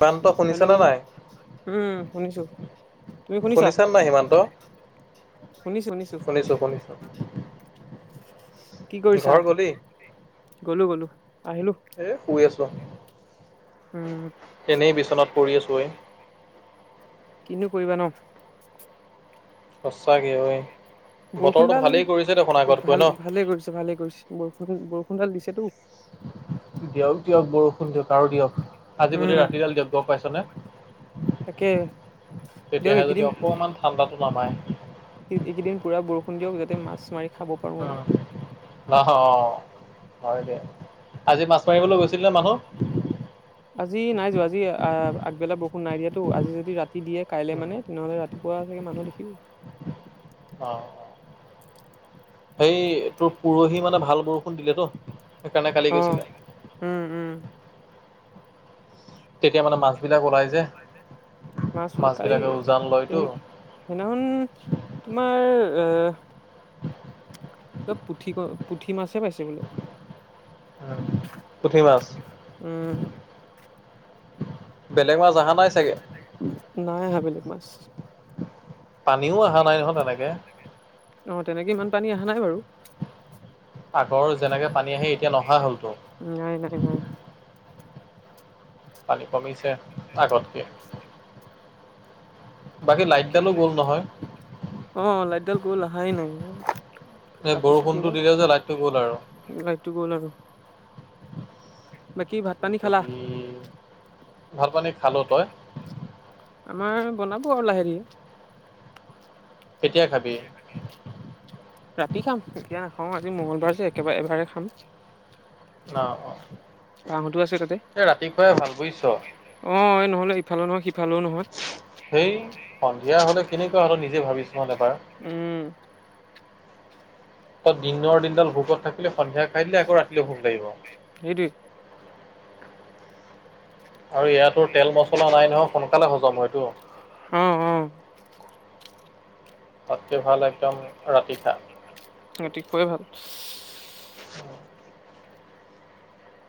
বানটো hello শুনিছেনেে নাই? উম শুনিছো তুমি শুনিছা শুনিছান নাই সিমান্ত শুনিছো, শুনিছো কি কৰিছা ঘৰ গলি? গ'লো গ'লো আহিলো এ শুই আছো, উম এনেই বিচনাত পৰি আছো ঐ কিনো কৰিবা ন [unintelligible] কি হয় বৰষুণডাল ভাল ন? ভালে কৰিছে, ভালে কৰিছে, বৰষুণ সোনডাল দিছেতো দিয়ক, দিয়ক, বৰষুণ দিয়ক, আৰু দিয়ক আজি উম ৰাতিডাল দিয়ক গম তাকে পাইছনে দিয়ক তেতিয়াহে যদি এইকেইদিন অকমান ঠাণ্ডাতটো নামায় এইকেইদিন [unintelligible] দিয়ক যা মাছ মাৰি খাব পাৰো আৰু উম, আহ হয়, দা আজি মাছ মাৰিবলৈ গৈছিল নে মানুহ আজি নাই যোৱা, আজি আগবেলা বৰষুণ নাই দিয়াতো আজি যদি ৰাতি দিয়ে কাইলে মানে তেনেহ'লে ৰাতি ৰাতিপুৱা চাগৈ মানুহ দেখিব অ', সেই তোৰ পৰহি মানে ভাল বৰষুণ দিলেতো খালি অ গৈছিলা উম উম তেতিয়া মানে, মাছ বিলাক ওলাই যে মাছলে মাছ কি বিলাকে উজান লয়তো সিদিনাখন তোমাৰ অ', পুঠি ক পুঠি মাছে পাইছে বোলে পুথি মাছ উম বেলেগ মাছ অহা নাই চাগে নাই অহা বেলেগ মাছ পানীও অহা নাই নহয় তেনেকে আহ, তেনেকে ইমান পানী অহা নাই বাৰু আগৰ, যেনেকৈ পানী আহে এতিয়া নহা হ'লতো নাই নাই নাই অহা পানী কমিছে আগতকে বাকী তাকে, লাইটডালো গ'ল নহয় অ', লাইডাল গৈ অহাই নাই এ, কাটিছে কিয় বৰষুণটো বা দিলেও যে লাইটটো গ'ল আৰু লাইটটো গ'ল আৰু বাকী ভাত পানী খালা ভাল পানী খালো তই? আমাৰ বনাব আৰু লাহে কেতিয়া খাবি ৰাতি খাম কেতিয়া- অ', জি মঙগলবাৰ যে একেবাৰে এবাৰে খাম অ অ বতো আছে তাতে এই ৰাতি খুৱাই ভাল বুজিছ অ', এই নহলে ইফালে নহয় সিফালেও নহয় সেই, সন্ধিয়া হলে কেনেকুৱা হ'লে নিজে ভাবিছো এবাৰ উম, ত দিনৰ দি ভোক লাগিব সেইট আৰু, ইয়াতো তেল মচলা নাই নহয় সোনকালে হজম হয়তটো অ অ ভাল একদম ৰাতি খা খুবেই ভাল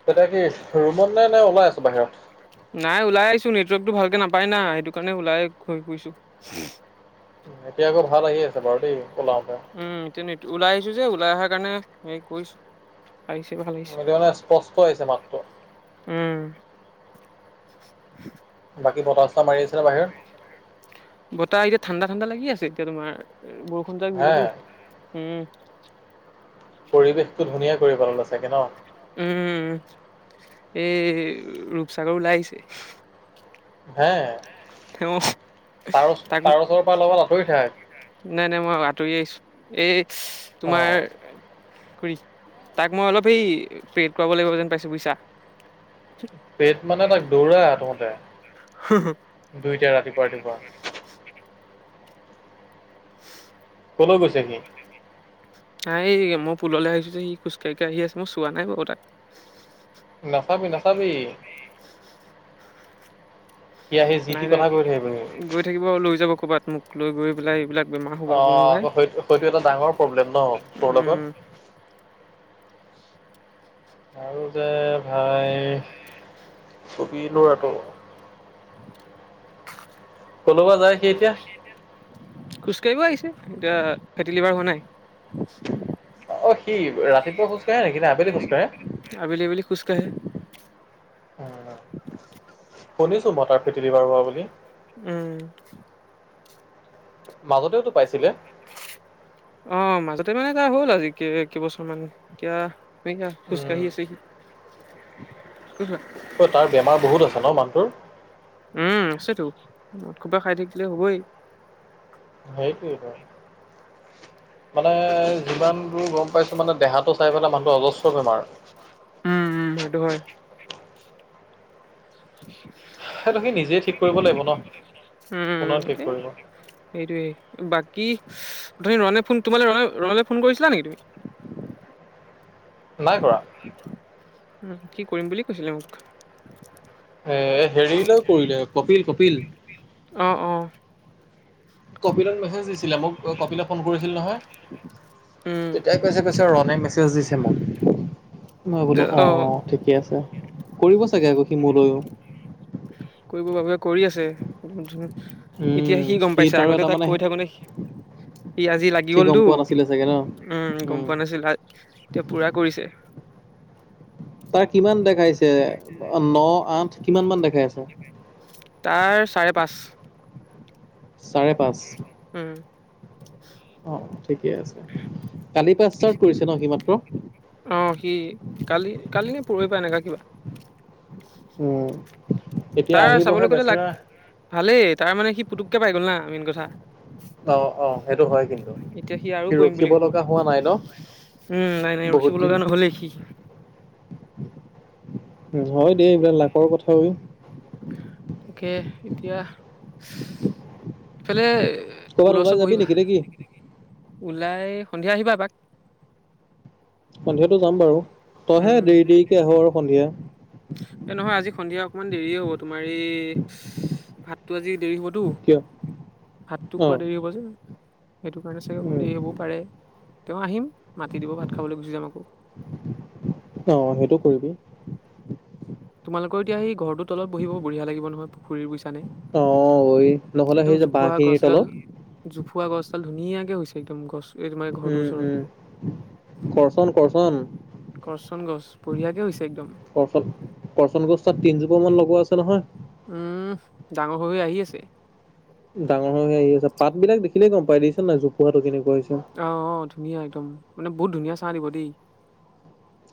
তেতিয়া কি ৰুমত নে নে ওলাই আছো বাহিৰত নাই ওলাই আহিছো নেটৱৰ্কটো ভালকে নাপ পাই না সেইটো কাৰণে ওলাই হৈৈ ফুৰিছো এতিয়া আকৌ ভাল আহি আছে বাৰু দেই ওলাওতে উম, এতিয়া ওলাই আহিছো যে ওলাই অহাৰ কাৰণে হে কৰিছোঁ। সেইটো কাৰণে স্পষ্ট আহিছে মাতটো। [inaudible] বাকী ব বতাহ এতিয়া ঠাণ্ডা ঠাণ্ডা লাগি আছে এতিয়া তোমাৰ। বৰষুণ জাক হে দিলেতো উম। পৰিৱেশটো ধুনীয়া কৰি পেলালে চাগে ন? এ ৰূপচাগৰ ওলাই আহিছে। হে তেওঁ তাৰ ওচ তাক তাৰ ওচৰৰ পৰা অলপ আঁতৰি থাকা। নাই নাই মই আঁতৰি আহিছো। এই অ তোমাৰ কৰি তাক মই অলপ এই প্ৰেইড কৰাব লাগিব যেন পাইছো বুইিছা! প্ৰেড মানে তাক দৌৰাতহঁতে। দুইটা ৰাতিপুৱা ৰাতিপুৱা। কলৈ গৈছে সি? এইয়া মই পুললৈ আহিছো যে সি খোজ কাঢ়ি কাঢ়ি আহি আছে মই চোৱা নাই বাৰু তাক। নাচাবি নাচাবি। সি আহি যি নাই টি নাই কথা কৈ থাকিবহি গৈ থাকিব লৈ যাব ক'বাত মোক। লৈ গৈ পেলাই এইবিলাক বেমাৰ হ'ব মোৰ অ', ভাই আকৌ সেইটো এটা ডাঙৰ প্ৰব্লেম ন তোৰ উম লগত। আৰু যে ভাই ছবি ল'ৰাটো। কলৈ যায় সি এতিয়া? খোজকাঢ়িব আহিছে এতিয়া ফেটিলিভাৰ হোৱা নাই! অ', সি ৰাতিপুৱা খোজ কাঢ়ে নেকি নে আবেলি খোজ কাঢ়ে। আবেলি আবেলি খোজকাঢ়ে অ'। শুনিছো মই তাৰ ফেটি লিভাৰ হোৱা বুলি। উম মাজতেওঁটো অ', মাজতে মানে এয়া হ'ল আজি কেই় কেইবছৰ মান। এতিয়া খোজ উম কাঢ়ি আছে সি। অ', তাৰ বেমাৰ বহুত আছে ন মানুহটোৰ। উম আছেতো মদ খোপা খাই থাকিলে হ'বয়ে। সেইটো হয়। মানে যিমান দোৰ গম পাইছো মানে দেহাটো চাই পেলাই মানুহটো অজস্ৰ বেমাৰ। উম উম, সেইটো হয়। [inaudible] সেইটো সি নিজে ঠিক কৰিব লাগিব ন। উম, কোনেও ঠিক এ কৰিব সেইটো। বাকি তুমি ৰণে ফোন, তোমালে ৰণ ৰণলৈ ফোন কৰিছিলা নেকি তুমি? নাই কৰা। উম, সি কৰিম বুলি কৈছিলে মোক। এ হেৰিলৈ কৰিলে কপিল, কপিল। অ', অ'। কপিলক মেছেজ দি মোক কপিলে ফোন কৰিছিল উম নহয়। তেতিয়া কৈছে কৈছে ৰনে মেছেজ দিছে মোক, মই বোলো অ' ঠিকে আছে। কৰিব চাগে আকৌ সি মোলৈওঁ। বাবুয়ে কৰি আছে। এতিয়া উম সি গম পাইছে তাৰো আগতে এটা তাক মানে কৈ থাকোতে ই আজি লাগি সি গম গ'লটো। পোৱা নাছিলে চাগে ন উম, গম পোৱা নাছিল [unintelligible] এতিয়া পুৰা কৰিছে। তাৰ কিমান দেখাইছে ন আঠ কিমান মান দেখাই আছে? তাৰ চাৰে পাঁচ। চাৰে পাঁচ। উম। অ, ঠিকেই আছে। কালিৰ পৰা ষ্টাৰ্ট কৰিছে ন সি মাত্ৰ আহ, সি কালি, কালি নে পৰহি পায় এনেকা কিবা উম। এতিয়া তাৰ আহিবহে চাবলৈ গ'লে ল, বেচেৰা ভালেই তাৰ মানে সি পুতুককে পাই গ'ল না মেইন কথা। অ', অ', সেইটো হয় কিন্তু এতিয়া আৰু সি কৰিম বুলি ৰখিব ক'ব লগা হোৱা নাই ন। উম, নাই, নাই বহুত ৰখীব দিন লগা নহলেই। হয়, দেই এইবাৰ লাকৰ কথাও তাকে এতিয়া ইফালে ক'ৰবাত পুলৰ ওলাই চ যাবি বহিবা নেকি নে কি? ওলাই সন্ধিয়া আহিবা এপাক। সন্ধিয়াটো যাম বাৰু তইহে উম, দেৰি, দেৰিকে আহ আৰু সন্ধিয়া এ নহয় আজি সন্ধিয়া অকমান দেৰিয়ে হ'ব তোমাৰ এই ভাততটো আজি দেৰি হ'ব। কিয়? ভাতটো খোৱা অ', দেৰি হ'ব যে সেইটো কাৰণে চাগে অপ উম, দেৰি হ'বও পাৰে। তেওঁ আহিম মাতি দিব ভাত খাবলৈ গুচি যাম আকৌ। অ, সেইটো কৰিবি। তোমালোকৰ এতি স, ঘৰো তলত বহিব বঢ়িয় লাগিব নহয় পুখুৰী গুচি অ', ঐ নহ'লে সেই একদম যে জোফোৱা বাঁহখিনিৰ গছডাল তলত জোফা গছডাল ধুনীয়াকে হৈছে। একদম গছ এই তোমাৰ ঘৰটোৰ উম, ওচৰত। উম, কৰচন কৰচন কৰচন গছ বঢ়িয়াকে হৈছে একদম। পচন গছ তাত তিনজোপ মান লগোৱা আছে নহয়। উম, ডাঙৰ হৈ আহি আছে। ডাঙৰ হৈ আহ আছে পাত বিাক দেখিলে গম পাই দিছে ন, জোহাটো কেনেৱা আহ, আহ, ধুনীয়া একদম মানে বহুত ধুনীয়া চাহ দিব দেই।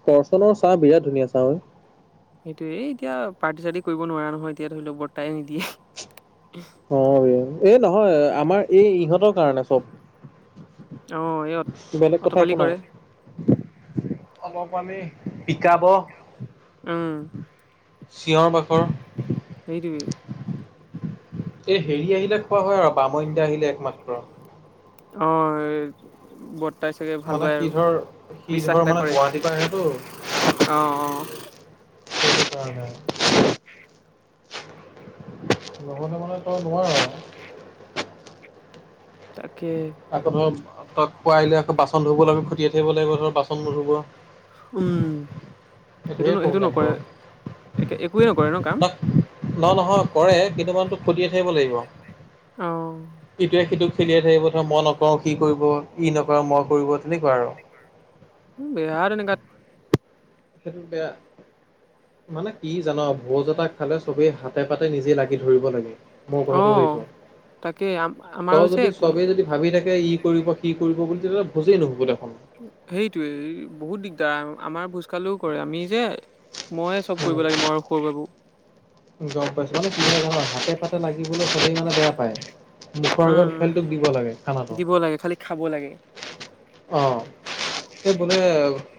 কৰৰ্চনৰ চাহ বিৰাট ধুনীয়া চাহ হয়ঐ। সেইটোয়েেই এতিয়া পাৰ্টি, চাৰ্টি কৰিব নোৱাৰা নহয় এতিয়া ধৰি লওক বৰ্তাই নিদিয়ে। অ, এই নহয় আমাৰ এই ইহঁতৰ কাৰণে চব অ এই অত- বেলেগ কথা অতপালি একো নাই। কৰে অলপমানি শিকাব। উম। চিঞৰ বাখৰ সেইটোৱেই এই হেৰি আহিলে খোৱা হয় আৰু বাম ইয়া আহিলে একমাত্ৰ। অ, ব মানে সি, ধৰ, সি, ধৰ এটা মানে কৰে গুৱাহাটীৰ পৰা আহেতো [inaudible] অ অ লগতে মানে তই নোৱাৰ আৰু। তাকে আকৌ ধৰ তাক পোৱাই লৈ আকৌ বাচন ধুব লি খটিয়াই থাকিব লাগিব ধৰ বাচন নুধুব। উম, সেইটো ধেৰ ন, সেইটো প্ৰব্লেম নকৰে তোৰ একে, একোৱেই নকৰে ন কাম। নহ, নহয় কৰে। কিন্তু মানুহ তোক খতিয় থাকিব লাগিব অ' ইটোৱে-সিটো খেলিয়াই থাকিব ধ মই নকৰো। সি কৰিব ই নকো মই কৰিব তেনেকুৱা আৰু।। বিহাৰ ন কাত আপয়া মানে কি জানো ভোজ এটা খালে চবেই হাতে, পাতে নিজে লাগি ধৰিব লাগে। মোৰ কথাটো লৈছো অ' তাকে আম আমাৰো তই যে যদি কোনো চবেই যদি ভাবি থাক ই, কৰিব কি কৰিব বুলি তেতিলে বুজেই নুহুব দে। সেইটোয়ে বহুত দিগদাৰ আমাৰ স, কালও কৰে আমি যে মইে চব কৰিব লাগে ম, সৰ, বাবু গম পাইছো মান কি হাতে, পাতে লাগিবলৈ সবেই মানে বেয়া পায়। দুখৰ আগত খেলটোক দিব লাগে খানাটো থালিথ খাব লাগে অ এই বোলে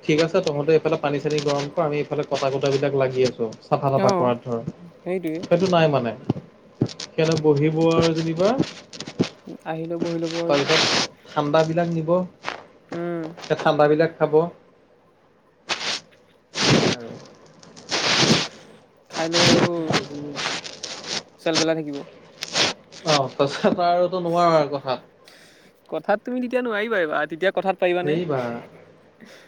ঠিক আছে তহঁতে এইফালে পানী চানী গৰম কৰ আমি এইফালে কটা কুটা বিলাক লাগি আছো চাফা তাফা অ' কৰাৰ ধৰ সেইটোৱে সেইটো নাই মানে সিহতে বহিব আৰু যেনিবা আহিলে বহি লব আৰু তাৰপিছত ঠাণ্ডাবিলাক নিব উম, সেই ঠাণ্ডাবিলাক খাব উ খাই লৈ আৰু চেলবেলাই থাকিব অ তাৰপিছত আৰু নোৱাৰ আৰু কথাত কথাত তুমি তেতিয়া নোৱাৰিবা তেতিয়া কথাত পাৰিবানে হেৰি বা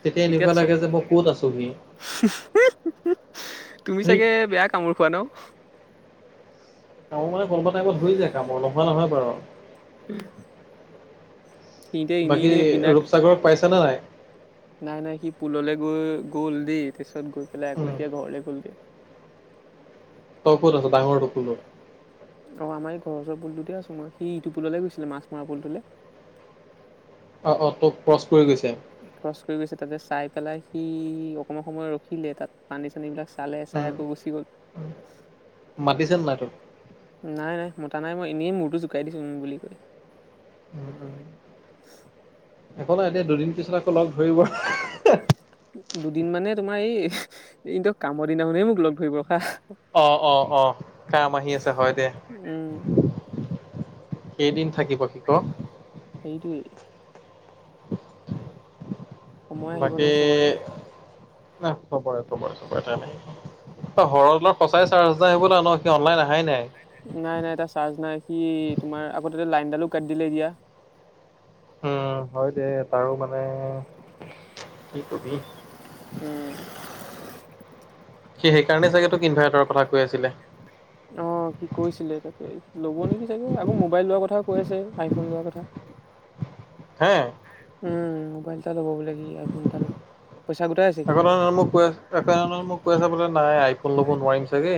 তেতিয়া তেতিয়াত এনেকুৱা চব লাগে যে মই ক'ত আছোহি তুমি সেই চাগে বেয়া কামোৰ খোৱা ন কামোৰ মানে বন্ধ টাইমত হৈ যায় কামোৰ নোহোৱা নহয় বাৰু উম বাকী ৰূপসাগৰক পাইছা নে নাই নাই নাই সি পুললৈ গৈ গ'ল দেই তাৰপিছত গৈ পেলাই আকৌ উম, এতিয়া ঘৰলে গ'ল দেই ত আছে ডাঙৰ কুলত অ আমাৰ এই ঘৰৰ ওচৰৰ পুলটোতে আছো মই সি ইটো পুললে গৈছিলে মাছ মৰা পুলটোলৈ অ অ তোক প্ৰশ্ খৰচ কৰি গৈছে তাতে চাই পেলাই সি অকমান সময় ৰখিলে তাত পানী চানী বিলাক চালে চাই উম, আকৌ গুচি গল উম। মাতিছে নে নাই তোক? নাই নাই মতা নাই মই এনেই মূৰটো জোকাই দিছো ও বুলি কয় উম একো নাই দিয়া দুদিন পিছত আকৌ লগ ধৰিব দুদিন মানে তোমাৰ এই এ কামৰ দিনাখনেই মোক লগ ধৰিব খা অ অ আহ কাম আহি আছে হয় দে উম কেইদিন থাকিব সি কক সেইটোৱে [unintelligible] সময় আহিব নহয় চবৰে ন খবৰে খবৰে খবৰে তাই নাই অ ঘ অলপ সঁচাই চাৰ্জ নাই সেইবো ন সি অনলাইন অহাই নাই নাই নাই তাৰ চাৰ্জ নাই সি তোমাৰ আগতে লাইনডালো কাটি দিলে এতিয়া উম হয় দে তাৰো মানে কি কবি উম সি সেইকাৰণে চাগে তোক ইনভাৰটাৰৰ কথা কৈ আছিলে অ সি কৈছিলে তাকে ল'ব নেকি চাগে আকৌ মোবাইল লোৱাৰ কথা কৈ আছে আইফোন লোৱা কথা হা উম মোবাইল তএটা লব বুলে আইফুন এটা পইচা গোটাই আছে এক সেইকাৰণে মোক কৈ একৰ মোক কৈ আছে বোলে নাই আইফোন ল'ব নোৱাৰিম চাগে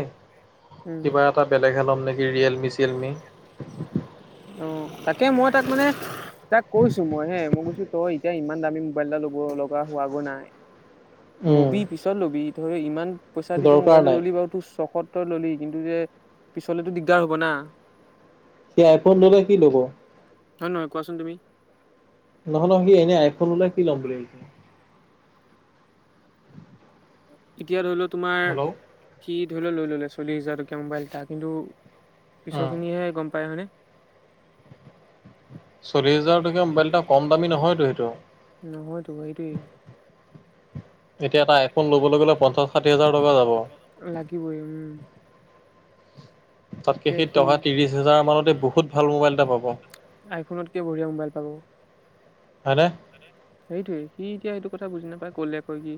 উম কিবা এটা বেলেগহে ল'ম নেকি ৰিয়েলমি চিয়েলমি অ তাকে মই তাক মানে তাক কৈছো মই হে মই কৈছো তই এতিয়া ইমান দামী মোবাইল এটা ল'ব লগা হোৱাগৈ নাই উম লবি পিছত লবি ধৰ ইমান পইচা দি তই দৰকাৰ মোবলটো নাই ললি বাৰু ত চখত ললি কিন্তু যে পিছলেতো দিগদাৰ হ'ব না সেই আইফোন ললে কি ল'ব হয় নহয় কোৱাচোন তুমি নহলো সি এনেই আইফোন ওলাই কি ল'ম বুলি ভাবিছে এতিয়া ধৰিলও তোমাৰ হেল্ল' সি ধৰিলও লৈ ললে চল্লিশ হাজাৰ টকীয়া মোবাইল এটা কিন্তু উম পিছৰ খিনিহে গম পায় হয়নে। চল্লিছ হাজাৰ টকীয়া মোবাইল এটা কম দামী নহয়তো সেইটো [inaudible] নহয়তো, সেইটোৱেই। এতিয়া এটা আইফোন ল'বলৈ গ'লে পঞ্চাছ ষাঠি হাজাৰ টকা যাব [inaudible] লাগিবই, উম, তাতকে এতিয়া সেই সি টকা ত্ৰিশ হোজাৰ মানতে বহুত ভাল মোবাইল এটা পাব। আইফোনতকে বঢ়িয়া মোবাইল পাব হয়নে সেইটোৱে সি এতিয়া এইটো। কথা বুজি নাপাই ক'লে কয় কি,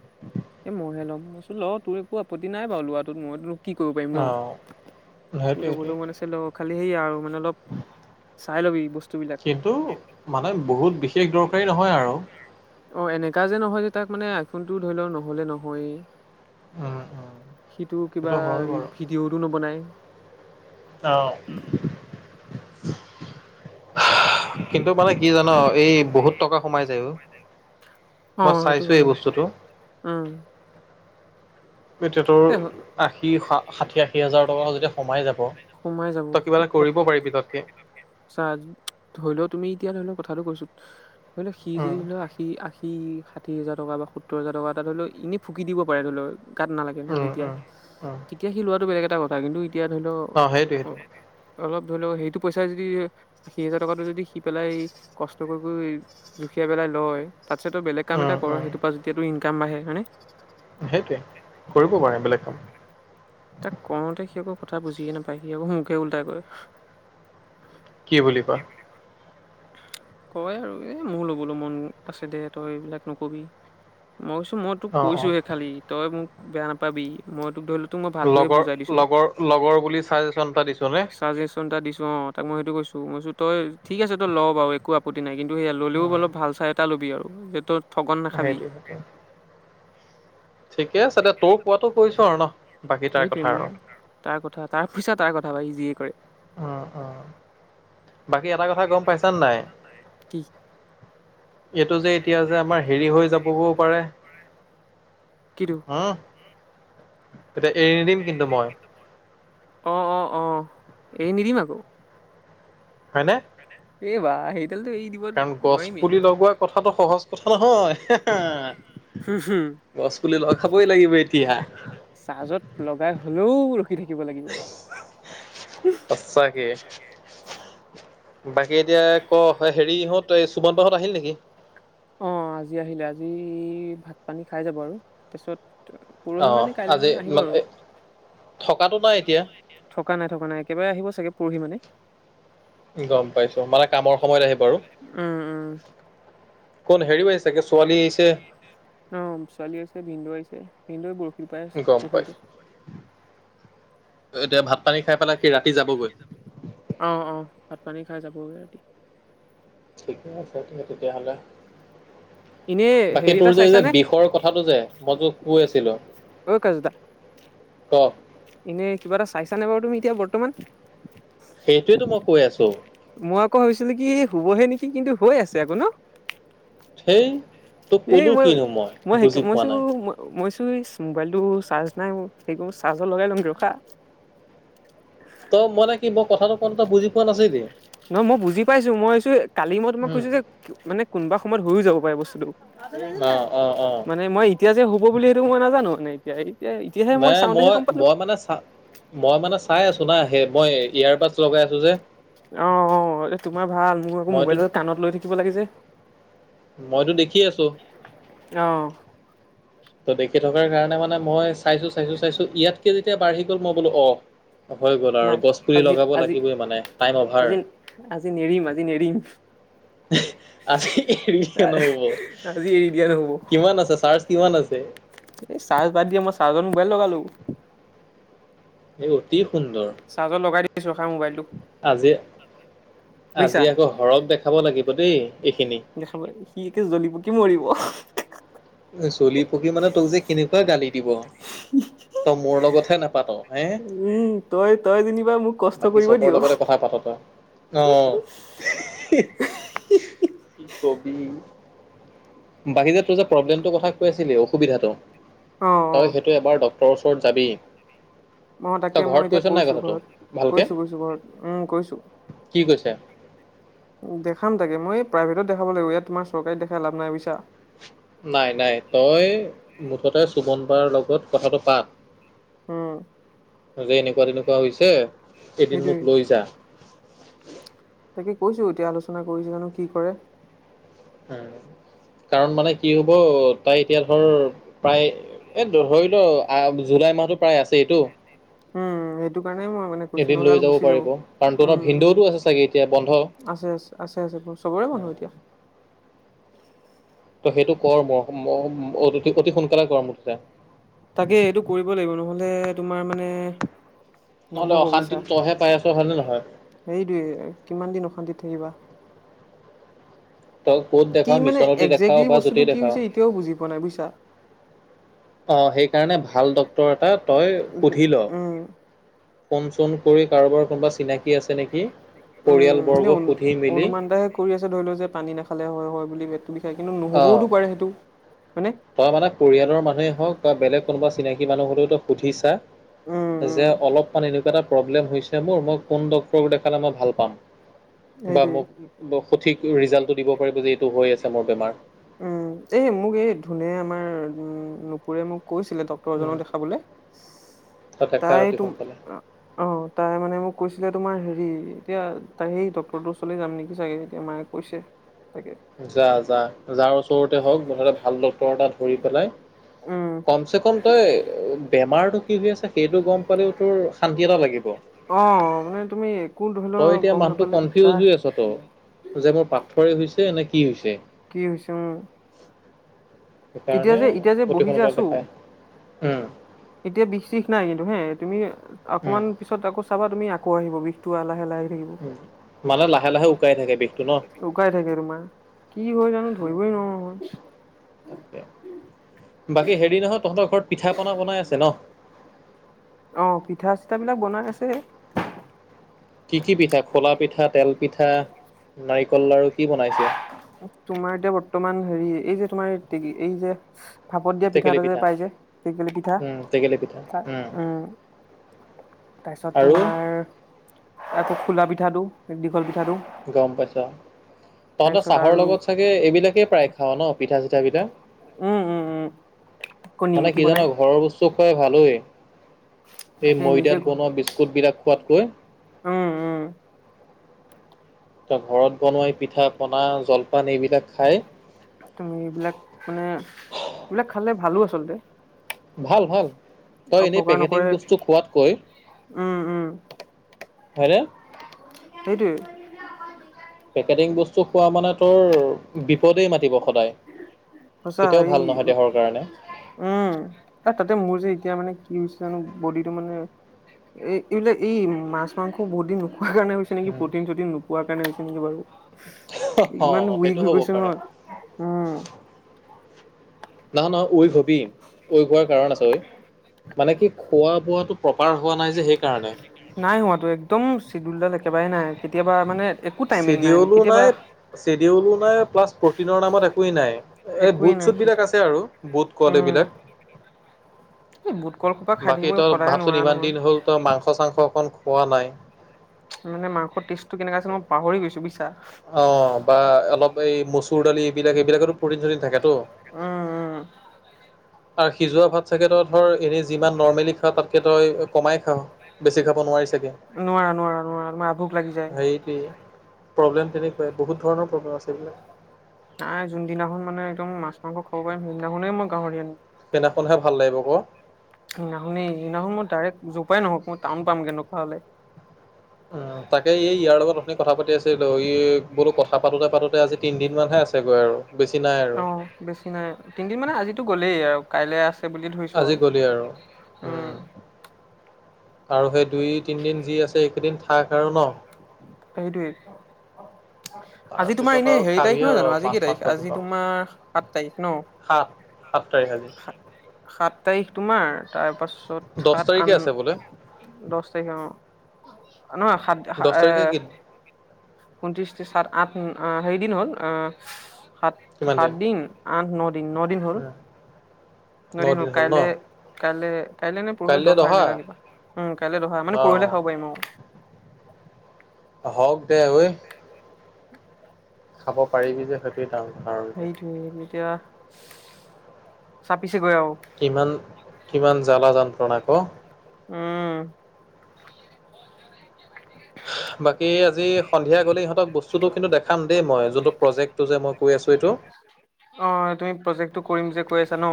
এ মইহে ল'ম মইচোন ল তোৰ একো আপতি নাই বাৰু লোৱাটোত মইম কি কৰিব পাৰিম ন, অ ত সেইটোৱে সেইটোৱে লগলৈ মন আছিল খালি সেই আৰু মানে অলপ। চাই ল'বি বস্তুবিলাক কিন্তু মানে বহুত বিশেষ দৰকাৰী নহয় আৰু। অ, এনেকা যে নহয় যে তাক মানে আইফোনটো ধৰি লও নহলে নহয়েই। উম উম সিটো কিবা, সেইটো হয় বাৰু। ভিডিঅ'তো ন'বনাই। অ'। [unintelligible] জান এই বহুত টকা সোমাই যায় অ', অ, মই সেইটো চাইছো এই হয়। বস্তুটো। উম, এতিয়া তৰ এ আশী ষাঠি, আশী হাজাৰ টকা যতিদি সোমাই যাব। সোমাই যাব, তই কিবা এটা কৰিব পাৰিবি তাতকে। ধৰি লও তুমি এতিয়া ধৰি লওক। কথাটো কৈছো ধৰি লও সি যদি উম, ধৰি লওক আশী, আশী। ষাঠি হাজাৰ কা বা সত্ত হাজাৰটকা ত ধ লও এনে ফুক দিব পাৰে ধ লক গাত ন উম, তেতিয়া উম, উম, তেতিয়া সি লোৱাতটো বেলেগ এটা কথা কিন্তু এতিয়া ধৰি লও সেইটোৱে অ, সেইটোৱে অলপ। ধৰি লওক সেইটো পইচা যদি সি হজাৰ টকাটো যদি সি পেলাই কষ্ট কৰি কৰি জুখিয়াই পেলাই। লয় তাত বেলেগ কাম এটা উম, কৰ উম, সেইটোপ যেতিয়াটো ইনকাম বাঢ়ে হয় নে। সেইটোৱে কৰিব পাৰে বেলেগ কাম। তাক কওঁতে সি আকো কথা বুজিয়ে নাপায়, সি আকৌ মোকে লটাই কয়। কি বুলি কয় কয় আৰু এ, মোৰ লগ'বলৈ মন আছে দে তই এইবিলাক নকবি। মই কৈছো মই তোক অ', অ'। কৈছোঁহে খালি, তই মোক বেয়া নাপাবি মই তোক ধৰি ল তোক মই ভালটোহে লগৰ বোজাই দিছো, লগৰ লগৰ বুলি চাজেচন এটা দিছো নে? চাজেচন এটা দিছো। অ, তাক মই সেইটো কৈছো মইছো তই ঠিক আছেই ল' ব আৰু একো আপত্তি নাই কিন্তু। সেয়া ল'লেও অলপ ভাল চাহ এটা ল'বি আৰু য সেইটোৱে, সেইটোৱেই ঠিকে আছে দে তোৰ কোৱাটো কৈছো আৰু ন। বাকী তাৰ সেইটোৱে কথা মোৰ আৰু। তাৰ কথা তাৰ পইচা তাৰ কথা পয় যি উ, উ, বাকী এটা কথা গম পাইছানে নাই। কি এইটো যে এতিয়া যে আমাৰ হেৰি হৈ যাবও গৈও পাৰে। কিটো উম, তেতিয়া এৰি নি দিম কিন্তু মই। অ, অ, অ, এৰি নিদিম আকৌ। হয়নে। এইবাহ হ কাৰণ গছ পুলি লগোৱা কথাটো সহজ কথা নহয় হা, হুম হুম বা। গছ পুলি ৰখাবই লাগিব এতিয়া। লও, ৰখি থাকিব লাগিব। সঁচাকে বাকী এতিয়াক হেৰি ইহঁত। সুমনত হত আহিল নেকি। অ, আজি আহিলে আজি ভাত পানী খাই যাব আৰু, তাৰপিছত। অ পৰহি মানে কাইলে আজি মানে আহিব আৰু। থকাটো নাই এতিয়া থকা নাই, থকা নাই, একেবাৰে আহিব চাগে পৰহি মানে। গ পাইছো, মানে কামৰ সময়ত আহিব আৰু। উম, উম। কোন হেৰি পাইি চাগে, ছোৱালী আহিছে। হ লৈ বৰশী পাই আ গম পাইছো পুখুৰীতে। এতিয়া ভাত পানী খাই পেলাই কি ৰাতি যাবগৈ অ, অ, ভাত পানী খাই যাবগৈ ৰাতি। ঠিকে আছে তিকে তেতিয়াহ'লে। এনেই বাকী হেৰি তোৰ এটা যে, যে চাইছানে বিষৰ কথাটো যে মই যো কৈ আছিলো। অ' কজ দা কৰ এনে কিবা এটা চাইছানে বাৰু তুমি এতিয়া বৰ্তমান। সেইটোৱেতো মই কৈ আছো। মই আকৌ ভাবিছিলো কি হ'ব হে নেকি কিন্তু হৈ আছে আকৌ ন। সেই। তোক এই কলো মই কিনো মইেই বুজি পোৱা মইছো নাই মইছ হোইচ মোবাইলটো চাৰ্জ নাই মোৰ সেইটো চাৰ্জত লগাই লওগৈ ৰখা। তো মইনে কি মই কথাটো কোন এটা বুজি পোৱা নাছিলি। নহয় মই বুজি পাইছো, মইছো কালি মই মই উম কৈছো যে মানে কোনোবা সময় হৈয়ো যাব পাৰে বস্তু অ অ অ মানে মই এতিয়া যে হ'ব বুলি সেইটো মই নাজানো মানে এতিয়া এই নাই, মই, মই মানে চ মই মানে চাই আছো না সেই মই এয়াৰ বাডচ লগাই আছে যে। অ' অ' এ তোমাৰ ভাল মোৰ আকৌ মইতো মোবাইল এ কাণত লৈ থাকিব লাগি যে। মইতো দেখি আছো। অ', তো দেখি থকাৰ কাৰণে মানে মই চাইছো, চাইছো, চাইছো ইয়াতকে যেতিয়া বাঢ়ি গ'ল মই বোলো অ'। হৈ গ'ল আৰু নাই গছ পুলি আজি লগাব আজি লাগিবই মানে টাইম অভাৰ। আজি আজি নেৰিম আজি নেৰিম আজি নহ'ব আজি এৰি দিয়া নহ'ব কিমান আছে চাৰ্জ কিমান আছে। এই চাৰ্জ বাদ দিয়া মই চাৰ্জত মোবাইল লগালো। এই অতি সুন্দৰ। [unintelligible] ৰখা মোবাইলটো আজি বুজিছা আজি আকৌ হৰক দেখাব লাগিব দেই এইখিনি দেখাবা সি একে জ্বলিব পকি মৰিব। চলি পকি মানে তোক যে কেনেকুৱা গালি দিব, তই মোৰ লগতহে নাপাত। হে উম তই তই যেনিবা মোক কষ্ট বাকী কৰিব চবৰ দিয় অ', লগতে কথা পাতৰ। অহ' বাকী যে তোৰ যে প্ৰব্লেমটোৰ কথা কৈ আছিলি অসুবিধাতটো অ', তই সেইটো এবাৰ ডক্তৰৰ ওচৰত যাবি। অ' তই তাকে মই ঘৰত এতিয়া কৈছ নাই কৈছো কথাটো ঘৰত ভালকে কৈছো, কৈছো ঘৰত উম, কৈছো। কি কৈছে দেখাম তাকে মই প্ৰাইভেটত দেখাব লাগিব। ইয়াত তোমাৰ চৰকাৰী দেখাই লাভ নাই বুইছা। নাই নাই তই মুঠতে চুমন বাৰ লগত কথাটো পাত। উম। যে এনেকুৱা তেনেকুৱা হৈছে এদিন সেইটোৱে মোক লৈ যা। তাকে কৈছো এতিয়া আলোচনা কৰিছো জানো কি কৰে। হয়। কাৰণ মানে কি হ'ব তই এতিয়া ধৰ প্ৰায় এ ধৰি লওঁ জুলাই মাহটো প্ৰায় আছে টো উম, সেইটো কাৰণে মই মানে কৈছো নহ'লে লৈ আকৌ গুচি যাব পাৰিব কাৰণ উম, তহঁতৰ উম। ভিনদেউতো চাগে এতিয়া বন্ধ আছে, আছে, আছে, আছে ব চবৰে মানুহ এতিয়া। তই সেইটো কৰ ম অ' অতি সোনকালে কৰ মুঠতে। তাকে এইটো কৰিব লাগিব নহ'লে তোমাৰ মানে নহ'লে নহ'ব অশান্তি বুজিছা তইহে পাই আছ হয়নে নহয় সেইটোৱে কিমান দিন অশান্তিত থাকিবা। তই ক'ত কি দেখাৱ মানে মিছনতে দেখাৱ একজেক্টলি বা বস্তুটো য'তেই কি দেখাৱ হৈছে, এতিয়াও বুজি পোৱা নাই বুইছা। অ' সেইকাৰণে ভাল ডত্তৰৰ এটা তই উম সুধিলৰ। ফোন চোন কৰি কাৰোবাৰ কোনোবা চিনাকি আছে নেকি। উম, পৰিয়ালবৰ্গ এনে সুধি মেলি অনুমান টাইহে কৰি আছে ধৰি লওঁ যে পানী নাখালে হয় হয় বুলি। বিষাই কিন্তু অ নহবওতো পাৰে সেইটো। হয়নে তই মানে পৰিয়ালৰ মানুহে হওঁক বা বেলেগ কোনোবা চিনাকি মানুহ হ'লেও তই সুধিছা। উম উম যে অলপমান এনেকুৱা এটা প্ৰবলেম হৈছেতো মই কোন ডক্টৰক দেখালে ভাল পাম বা সেইটোৱে মো সঠিক ৰিজাল্টটো দিব পাৰিব যে এইটো হৈ আছে মোৰ বেমাৰ। উম এই মোক এই ধুনে আমাৰ উ নুপুৰে মোক কৈছিলে ডক্তৰ জনক দেখাবলে তই দেখা তাই অতি তুম সোনকালে অ তাই মানে মোক কৈছিলে তোমাৰ হেৰি এতিয়া তাই সেই ডক্টৰটোৰ ওচৰলৈ যাম নেকি চাগে এতিয়া মায়ে কৈছে তাকে যা যা যাৰ ওচৰতে হওক মুঠতে ভাল ডাক্তৰ এটা ধৰি পেলাই উম কমচে কম তই বেমাৰতটো কি হৈ আছে সেইটো গম পালেও তোৰ শান্তি এটা লাগিব অ মানে তুমি একো ধৰি তই লও এতিয়া গম মানুহটো নাপালে কনফিউজ দিগদাৰ হৈ আছ যে মোৰ পাথৰে হৈছে নে কি হৈছে কি হৈছে উম এতিয়া সেইকাৰণে যে এতিয়া যে অতি বহি যে সোনকালে আছো দেখায় উম এতিয়া বিশ চিশ নাই কিন্তু হে তুমি উম, অকমান পিছত আকৌ চাবা তুমি আকৌ আহিব বিষটো লাহে লাহে থাকিব। উ মানে লাহে লাহে উুকাই থাকে বিশ উকাই থাকে তোমাৰ কি হয় জানো ধৰিবই নোৱাৰো ময় বাকী হেৰি নহয় তহঁতৰ ঘৰত পিঠা পনা বনাই আছে ন অ পিঠা চিঠা বিলাক বনাই আছে কি কি পিঠা খোলা পিঠা তেল পিঠা নাৰিকল লাৰু কি বনাইছে? তোমাৰ এতিয়া বৰ্তমান হেৰি এই যে তোমাৰ কি এই যে ভাপত দিয়া পিঠা পাই যে টেকেলি পিঠা উম, টেকেলি পিঠা। উম তাৰপিছত আৰু তোমাৰ আকৌ খুলা পিঠাটো দীঘল পিঠা গম পাইছ তহঁতৰ তাৰপিছত চাহৰ আৰু লগত চাগে এইবিলাকে প্ৰায় খাঅ ন পিঠা চিঠা বিলাক উম উম উম আকৌ মানে নিমকি কি জান বনাই ঘৰৰ বস্তু খুৱাই ভালেঔ এই তাকে নিজে ময়দাত বনোৱা বিস্কুটবিলাক খোৱাতকৈ উম উম তি ঘৰত বনোৱাই পিঠা পনা জল তুমি এইবিলাক মানে এইবিলাক খালে ভালো আচলতে ভাল ভাল তই এনেই অপকাৰ পেকেটিং নকৰে বস্তু খোৱাতকৈ উম উম হয়নে সেইটোৱে পেকেটিং বস্তু খোৱা মানে তোৰ বিপদেই মাতিব সদায় সঁচা কেতিয়াও এই ভাল নহয় দেহৰ কাৰণে উম তাতে মোৰ যে এতিয়া মানে ই জানো বডিটো মানে এ এইবিলাক এই মাছ মাংস বহুত দিন কাৰণে হৈছে নেকি প্ৰটিন চটিন নোপোৱাৰ কাৰণে হৈছে নেকি বাৰু অ ইমান উইক সেইটো হৈ হ'ব গৈছো অ পাৰে উম নহয় নহয় উইক হবি ঐ উইক হোৱাতো কাৰণ আছে ঐ মানে কি খোৱা বোৱাটো প্ৰপাৰ হোৱা নাই যে সেইকাৰণে নাই হোৱাতটো একদম চিদুলডাল একেবাৰে নাই কেতিয়াবা মানে একো টাইমিং চেডিঅলো কেতিয়াবা নাই চেডিঅলো নাই প্লাছ প্ৰটিনৰ নামত একোৱেই নাই এই বু একোৱেই নাই চুত বিলাক আছে আৰু, বুত কুৱালি উম বিলাক এই বুট কল সোপা খাই বাকী থাকিব তই সদায় ভাবচোন নোৱাৰা ইমান নহয়। দিন হ'ল তই মাংস চাংস অকন খোৱা নাই মানে মাংস টেষ্টটো কেনেকুৱা আছিল মি পাহৰি গৈছো বুইছা অ বা অলপ এই মচুৰ দালি এইবিলাক এইবিলাকতো প্ৰটিন চটিন থাকে তো উম উম আৰু সিজোৱা ভাত চাগে ধৰ এনেই যিমান নৰ্মেলি খ খা তাতকৈ তই কমাই খাৱ বেছি খাব নোৱাৰি চাগৈ মাৰ আভোক লাগি যায় প্ৰব্লেম তেনেকুৱাই বহুত ধৰণৰ প্ৰব্লেম আছে এইবিলাক নাই যোনদিনাখন মানে একদম মাছ মাংস খাব পাৰিম সেইদিনাখনেই মই গাহৰি আনি সেইদিনাখনহে ভাল লাগিব কোৱা সেইদিনাখনি-সেইদিনাখন মই ডাইৰেক্ট য'ৰ পৰাই নহওঁক, মই টাউন পামগৈ তেনেকুৱা হ'লে উম, তাকে এই ইয়াৰ লগত অথনি কথা পাতি আছিলোঁ, ই বোলো কথা পাতোতে পাতোতে আজি তিনিদিন মানহে আছে অ', বেছি নাই, তিনদিন মানে আজিতো গ'লেই আৰু কাইলৈ আছ আজি গ'লেই আৰু, উম' আৰু সেই দুই তিনিদিন যি আছে এইকেইদিন থাক আৰু ন। সেইটোৱেই আজি তোমাৰ তাৰপিছত আৰু এনেই হেৰি খাবি তাৰিখ নহয় আৰু জানো, আজি মাছ কি তাৰিখ, মাংস আজি তোমাৰ সাত তাৰিখ ন? সাত-সাত তাৰিখ আজি। সাত তাৰিখ তোমাৰ, তাৰপাছত দহ সাত, তাৰিখে আন, আছে বোলে দছ তাৰিখ অ' অ' নহয়, সাত-সা দহ এ তাৰিখে কি ঊনত্ৰিশি, ত্ৰিশ, সাত, আঠ, হেৰিদিন হ'ল, অ' কিমান দিন? সাত-সাতদিন, আঠ ন দিন, ন দিন হ'ল। ন দিন হল, কাইলে-কাইলে কাইলে নে পৰহিলে কাইলৈ দহা অহা এনেকা কিবা, উম, কাইলৈ দহা, মানে পৰহিলে খাব পাৰিম আৰু হওঁক দে ঐ খাব পাৰিবি যে, সেইটোৱেই ডাঙ সেইটোৱেই এতিয়া, চাপিছেগৈ আৰু কিমান কিমান জ্বালা যান্ত্ৰণা ক উম। বাকী আজি সন্ধিয়া গ'লেই ইহঁত বস্তুটো কিন্তু দেখাম দেই মই, যোনটো প্ৰজেক্টটো যে মই কৈ আছো এইটো অ', তুমি প্ৰজেক্টটো কৰিম যে কৈ আছা ন?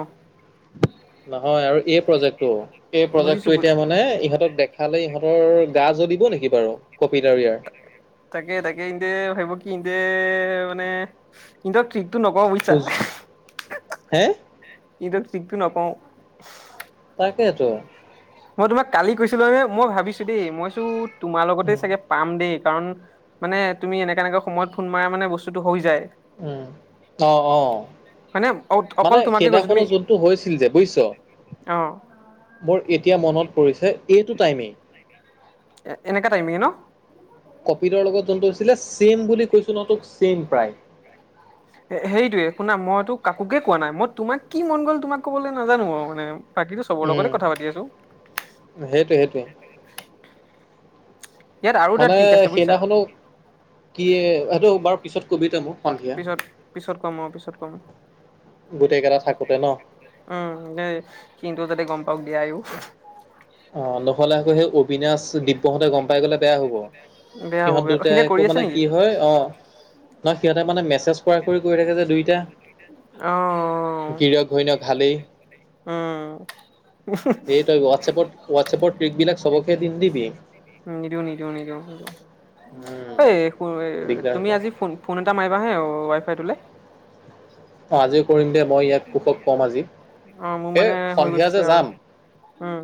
নহয় আৰু এই প্ৰজেক্ট টো, সেই বুজিছো প্ৰজেক্টটো বু এতিয়া মানে ইহঁতক দেখালে ইহঁতৰ গা জ্বলিব নেকি বাৰু, কপিদাৰ তাকে-তাকে ইহঁতে ভাৱিব কি সিহঁতে মানে, কিন্তু ট্ৰিকটো নকওঁ বুজিছা। খোজ হে? কিন্তু ট্ৰিকটো নকওঁ। তাকেতো মই তোমাক কালি কৈছিলো নে, মই ভাবিছোঁ দেই, মই ভাবিছোঁ তোমাৰ লগতে উম চাগে পাম দেই কাৰণ, মানে তুমি এনেকা-এনেকা সময়ত ফোন মাৰা মানে বস্তুটো হৈ যায়। উম, অ', অ'। মানে অ অকল মানে তোমাকে কৈছো সেইদিনাখনো তুমি যোনটো হৈছিল যে, বুজিছ? অ মোৰ এত এতিয়া মনত পৰিছে, এইটো টাইমেই এ-এনেকা টাইমেই ন? কপিলৰ লগত যোনটো হৈছিলে, ছে'ম বুলি কৈছো নহয় তোক, ছেম প্ৰায়। এ হেৰিটোয়েই, শুনা মইতো কাকোকে কোৱা নাই, মই তোমাক কি মন গ'ল তোমাক ক'বলৈ নাজানো আৰু মানে বাকীটো চবৰ উম লগতে কথা পাতি আছো। সেইটোৱে সেইটোৱে ইয়াত আৰু এটা মানে ট্ৰিক আছে বুইছা। সেইদিনাখনো, কি, সেইটো বাৰু পিছত কবি তই মোক সন্ধিয়া পিছত-পিছত কম অ', পিছত কম অ' গোটেইকেইটা থাকোতে ন উম দেই, সিহঁতেও যাতে গম পাওঁক দিয়া আইঔ বিনাশ, দিব্যহঁতে গম পাই গ'লে বেয়া হ'ব। বেয়া হ'ব সিহঁত বেয়া দুটাই সিহঁতে আকৌ কৰি আছে মানে নেকি কি হয়, অ' নহয়, সিহঁতে মানে মেছেজ কৰা-কৰি কৰি থাকে যে দুইটাই অ গিৰীয়েক ঘৈণীয়েক হালেই উম এই তই হোৱাটছএপত-হোৱাটছএপৰ ট্ৰিক বিলাক চবকে দি নিদিবি। উম, নিদিওঁ-নিদিওঁ-নিদিওঁ। উম এ [unintelligible] দিগদাৰ তুমি হ'ব আজি ফোন-ফোন এটা মাৰিবা হা ৱাইফাইটোলে অ, আজিও কৰিম দে মই ইয়াক কুষক কম আজি, অ মোৰ এই মানে হৈ সন্ধিয়া গৈছে যে আৰু যাম উম।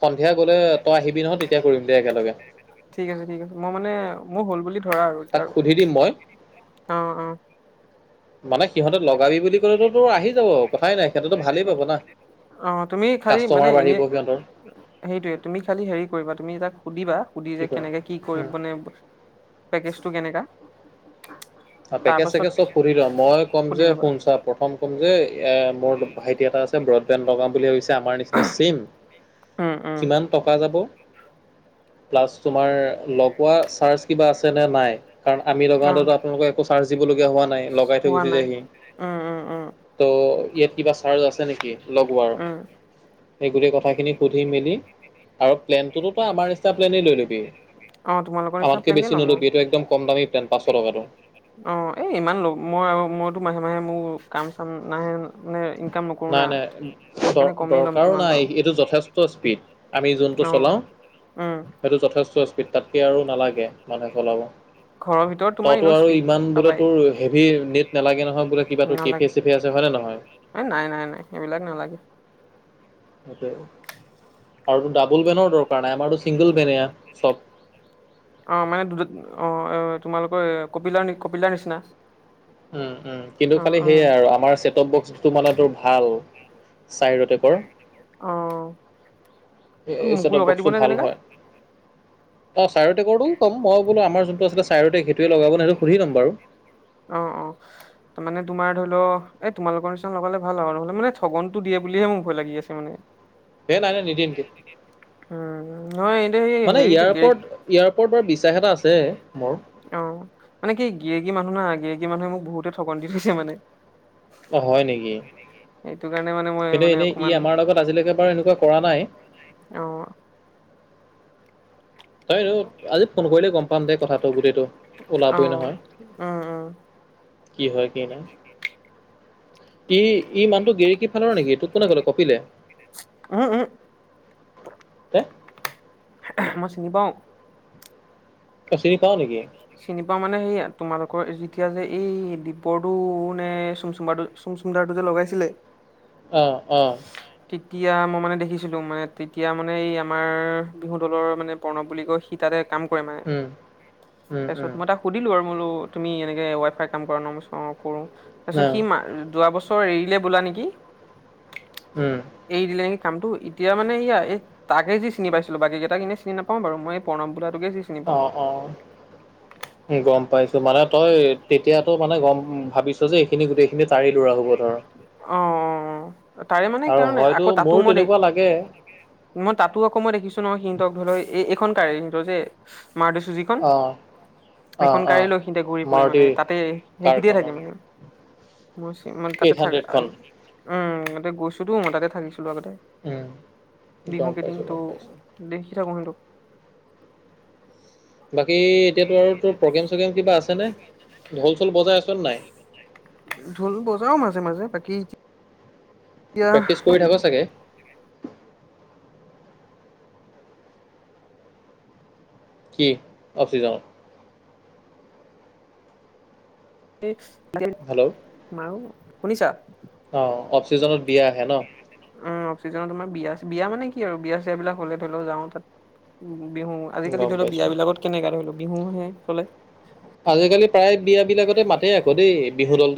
সন্ধিয়া গ'লে তই আহিবি নহয় তেতিয়া কৰিম দে একেলগে ঠিক আছে ঠিক আছে, মই মানে মোৰ হ'ল বুলি ধৰ আৰু তাক এয়া আৰু সুধি দিম মই অ' অ' মানে সিহঁতক লগাবি বুলি ক'লেতো তোৰ আহি যাব। সিহ'তেটো ভালেই পাব না। অ' তুমি খালি মানে কাষ্টমাৰ এনে বাঢ়িব সিহঁতৰ সেইটোয়ে তুমি খালি হেৰি কৰিবা, তুমি তাক সুধিবা সুধি কি যে কৰে কেনেকৈ কি কৰি উম, মানে পেকেজটো কেনেকা তাৰ পেকেজ পাছত চেকেজ চব সুধি লওঁ। মই ক'ম সুধি যে ল'বা শুন ছা প্ৰথম ক'ম যে এ মোৰ ভাইটি এটা আছে ব্ৰডবেণ্ড লগাম বুলি ভাবিছে আমাৰ নিচিনা চেম, উম উম কিমান টকা যাব প্লা তোমাৰ লগোৱা চাৰ্জ কিবা আছে নে নাই, কাৰণ আমি লগা অ আপোনালোকৰ একো চাৰ্জ দিব লগিয়া হোৱা নাই, লগাই থৈ হোৱা গুচি নাই যায়হি। উম উম উম ত' ইয়াত কিবা চাৰ্জ আছে নেকি লগোৱাৰ, উম সেই গোটেই কথাখিনি সুধি মেলি আৰু প্লেনটোতো তই আমাৰ নিচিনা প্লেনেই লৈ ল'বি। অ তোমালোকৰ নিচিনা আমাতকে প্লেনে বেছি ল'ম অ নল'বি, এইটো একদম কম দামি প্লেন পাঁচশ টকাটো। অ' এ ইমান ল মই আৰু মইতো মাহে মাহে মোৰ কাম চাম নাহে মানে ইনকাম নকৰো না নাই নাই সেইকাৰণে কমেই ল'ম দৰকাৰো যিমান নাই পাৰো এইটো যথেষ্ট স্পীড আমি যোনটো অ চলাওঁ। উম সেইটো যথেষ্ট স্পীড তাতকে আৰু নালাগে মানে চলাব। ঘৰৰ ভিতৰত তোমাৰ তইতো ইনেও আৰু স্পীড ইমান বোলে পাবাই তোৰ হেভি নেলাগে নহয় বোলে কিবা কেফে নালাগে চেফে আছে হয় নে নহয়? এই নাই নাই নাই সেইবিলাক নালাগে। আৰুটো ডাবুল বেনৰ দৰকাৰ নাই। আমাৰটো চিংগল অ' মানে দুটা অ' তোমালোক কৈ কপিলদা কপিলদাৰ নিচিনা। উম উম কিন্তু অ খালি উম সেইয়া আৰু আমাৰ চছেটপ বক্স তো মানে তোৰ ভাল চাই ৰটেকৰ। অ' এই মোকো ছেটপ লগাই বক্সটো দিবনে ভাল তেনেকা? হয়। অ' চাইৰ টেকৰটোও কম, মই বোলো আমাৰ যোনটো আছিলে চাইৰ টেক সেইটোৱে লগাব সেইটো সুধি লম বাৰু। অ' অ' তাৰ মানে ধৰি লওঁ, এই তোমালোকৰ নিচিনা লগালে ভাল হয় আৰু, মানে ঠগনটো দিয়ে বুলিহে মোৰ ভয় লাগি আছে মানে। এ নাই নাই নিদিয়ে নিদিয়ে উম নহয় এতিয়া সেই হেৰি গেৰে তোৰ ওপৰত বিশ্বাস এটা আছে মোৰ। অ' মানে কি গেৰেকী মানুহ না গেৰেকী মানুহে মোক বহুতে ঠগন দি থৈছে মানে। অ' হয় নেকি? সেইটো কাৰণে মানে মই কিন্তু মানে এনেই ই অকমান আমাৰ লগত আজিলৈকে বাৰু এনেকুৱা কৰা নাই। অ'। তই আজি ফোন কৰিলে গ'ম পাম দেই কথাটো গোটেইটো ওলাবই উম, নহয়। উম, অ'। কি হয় কি নাহয়। ই ই মানুহটো গেৰেকি ফালৰ নেকি, তোক কোনে ক'লে কপিলে? উম, উম, হে মই চিনি পাওঁ। তই চিনি পাৱ নেকি? চিনি পাওঁ মানে সেইয়া তোমালোকৰ যেতিয়া যে এই দীপৰটো নে চুম চুমদাৰটো চুমদাৰটো যে লগাইছিলে অ'অ' তেতিয়া মই মানে দেখিছিলোঁ, মানে তেতিয়া মানে এই আমাৰ বিহু দলৰ মানে প্ৰণৱ বুলি কয় সি তাতে কাম কৰে মানে। উম, উম। উম, তাৰপিছত, মই তাক সুধিলোঁ আৰু বোলো তুমি এনেকে ৱাইফাই কাম কৰা নহ? মই কৈছো অহ কৰোঁ। তাৰপিছত, না, সি মা যোৱা বছৰ এৰিলে বোলা নেকি? উম, এৰি দিলে নেকি? কামটো এতিয়া মানে ইয়া, এই তাকে যি চিনি পাইছিলো বাকী কেইটা কিনে চিনি নাপাও বাৰু মই প্ৰণম বোলা [unintelligible] চিনি পাওঁ। অ', অ'। গম পাইছো, মানে তই তেতিয়াটো মানে গম ভাবিছ যে, এইখিনি গোটেইখিনি তাৰেই ল'ৰা হ'ব ধৰ। অ অ তাৰে মানে আৰু কাৰণ হয়তো আকৌ তাতো মোৰো মই দে তেনেকুৱা লাগে। মই তাতো আকৌ মই দেখিছো নহয়, সিহঁনতৰ ধৰি লও এই এইখন কাৰ সিহঁনতৰ যে [unintelligible] যিখন, অ', অ', সেইখন গাড়ী অ'। লৈ সিহনতে ঘূৰি ফুৰে মানে মাৰুতি তাতে সেইখিনিতে কাৰখন থাকে উম, মানে, মানে তাতে এইট থাক হাণ্ড্ৰেডখন উম, তাতে গৈছোতো মই তাতে থাকিছো। আগতে, উম। গম বিহুকেইদিন পাইছোঁ, তো গম পাইছোঁ। দেখি থাকো সিহঁনতক। বাকী এতিয়াতো আৰু তোৰ প্ৰগ্ৰেম চগ্ৰেম কিবা আছে নে, ঢোল চোল বজাই আছ ঢোল বজাও মাজে, মাজে বাকী এতিয়া প্ৰেক্টিচ কৰি থাক' চাগে? কি। [unintelligible] হেল্ল' মাৰু, শুনিছা? অ', অফচিজনত বিয়া আহে নহ? অফচিজনত আমাৰ বিয়া, বিয়া মানে কি আৰু বিয়া চিয়া বিলাক হ'লে ধৰি লও যাওঁ তাত উ বিহু, আজিকালি গম ধৰি লও বিয়া পাইছোঁ। বিলাকত কেনেকা ধৰি লোৱা বিহুহে চলে। আজিকালি প্ৰায় বিয়া বিলাকতে মাতে আকৌ দেই, বিহু দল।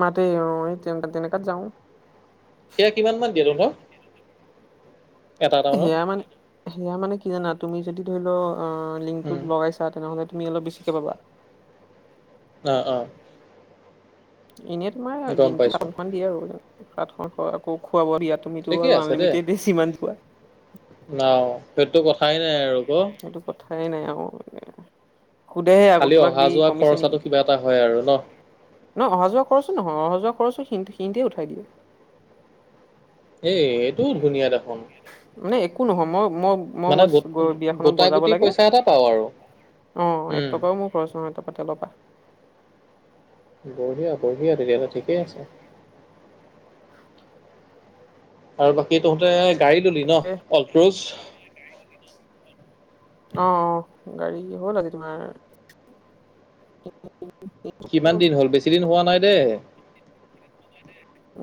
মাতে, অ', তিনেকা-তেনেকাত যাও। সেয়া কিমান মান। [unintelligible] মানত সেয়া মানে সেয়া মানে কি জানা, তুমি যদি ধৰি লও অ' লিংকটোত উম লগাইছা তেনেহ'লে তুমি অলপ বেছিকে পাবা। অ', অ'। এনেয়ে তোমাৰ গম দিনটো পাইছো সাতখন দিয়ে আৰু, সাতখন আকৌ খুৱাব দিয়াত তুমিতো ঠিকেই আৰু আছে দেই আনলিমিটেড [unintelligible] খোৱা। সেইটো কথাই নাই আৰু। ক সেইটো কথাই নাই আৰু এ সোধে আকৌ খালি কিবা অহা কিবি যোৱা কমিছে খৰচাটো নেকি? কিবা এটা হয় আৰু ন নহ অহা যোৱা খৰছো নহয়, অহা যোৱা খৰছো সিহঁন-সিহঁনতে উঠাই দিয়ে। এ এইটোও ধুনীয়া দেখ মানে একো নহয়, মই-মই মই-মই মানে বছ গো গৈ বিয়াখনত গোটা বজাব গুটি লাগে। পইচা এটা পাওঁ আৰু অ', এক উম টকাও মোৰ খৰচ নহয় তাৰপা তেলৰ পৰা। বঢ়িয়া, বঢ়িয়া তেতিয়াহ'লে ঠিকেই আছে। আৰু বাকী তহতে গাড়ী ললি নহ, এ অলক্ৰোজ? অ গাড়ী হ'ল আজি তোমাৰ কিমান দিন হ'ল, বেছি দিন হোৱা নাই দেই?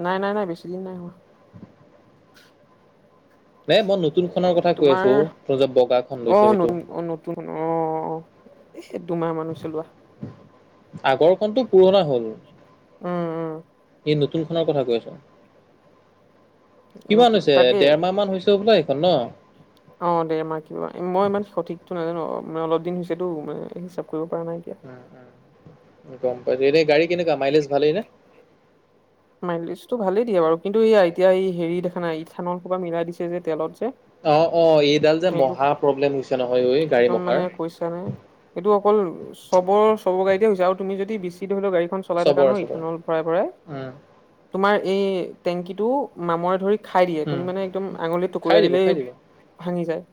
নাই, নাই, নাই, বেছি দিন নাই হোৱা। নে মই এ নতুনখনৰ কথা কৈ তোমাৰ আছো তই যে বগাখন লৈছ অ', সেইটো নত-নতুন অ'। এ দুমাহ মানুহ চলোৱা। আগৰখনটো পুৰণা হ'ল। উম, উম। নতুনখনৰ কথা কৈ আছো। কিমান নতুন হৈছে, তাকে দেৰমাহ মান হৈছে হবলা এইখন নহ? অ', দেৰমাহ কিবা মই ইমান সঠিকতো নাজানো, মানে অলপ দিন হৈছেতো মানে হিচাপ কৰিব পৰা নাই এতিয়া। গম পাইছো এতিয়া গাড়ী কেনেকুৱা মাইলেজ ভালেই নে মাইলিষ্টটো ভালেই দিয়ে বাৰু কিন্তু এতিয়া এই হেৰি দেখা নাই থানৰ খুকা মিলাই দিছে যে তেলত। যে অ', অ', এইডাল যে সেইটো মহা প্ৰব্লেম হৈছে নহয়। ঐ গাড়ী একদম মহাৰ মানে কৈছা নে এইটো অকল চবৰ, চব গাড়ী হৈছে আৰু তুমি যদি বিচি ধৰিলেও গাড়ীখন চলাই থাকা চবৰে নহয় চবৰে ইথানৰ ভৰাই, ভৰাই উম তোমাৰ এই টেংকিটো মামৰে ধৰি খাই দিয়ে। উম তুমি মানে একদম আঙুলিৰ খাই টুকুীয়া দিব খাই দিলেই দিব ভাঙি যায়।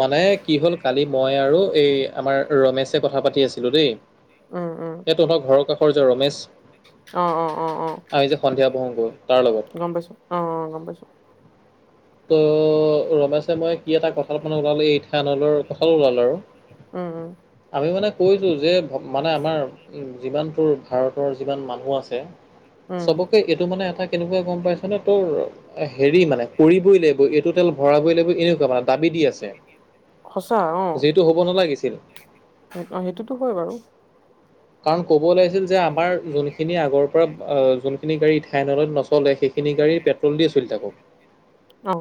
মানে কি হ'ল কালি মই আৰু এই আমাৰ ৰমেশে কথা পাতি আছিলোঁ দেই। উম সেইটোহও ঘৰৰ কাষৰ যে ৰমেশ অহ, অ', অ', অ', আমি যে সন্ধিয়া বহোগৈ তাৰ লগত গম পাইছো অহ, অ, গম পাইছো। ত ৰমাশে মই কি এটা কঁঠাল মানে ওলালো এই থাইানৰ কঁঠাল ওলালো আৰু। উম, উম। মই মানে কৈছোঁ যে মানে আমাৰ যিমানটোৰ ভাৰতৰ যিমান মানুহ আছে। উম চবকে এইটো মানে এটা কেনেকুৱা গম পাইছ নে তোৰ হেৰি মানে কৰিবই লাগিব এইটো তেল ভৰাবই লাগিব এনেকুৱা মানে দাবী দি আছে। সঁচা অ যিটো হ'ব নালাগিছিল। সেইটোতো হয় বাৰু। কাৰণ ক'ব ওলাইছিল যে আমাৰ যোনখিনি আগৰ পৰা যোনখিনি গাড়ী ঠাইনৈ নচলে সে তিনি গাড়ীৰ পেট্ৰল দিয়ে চলি যাব। অ'।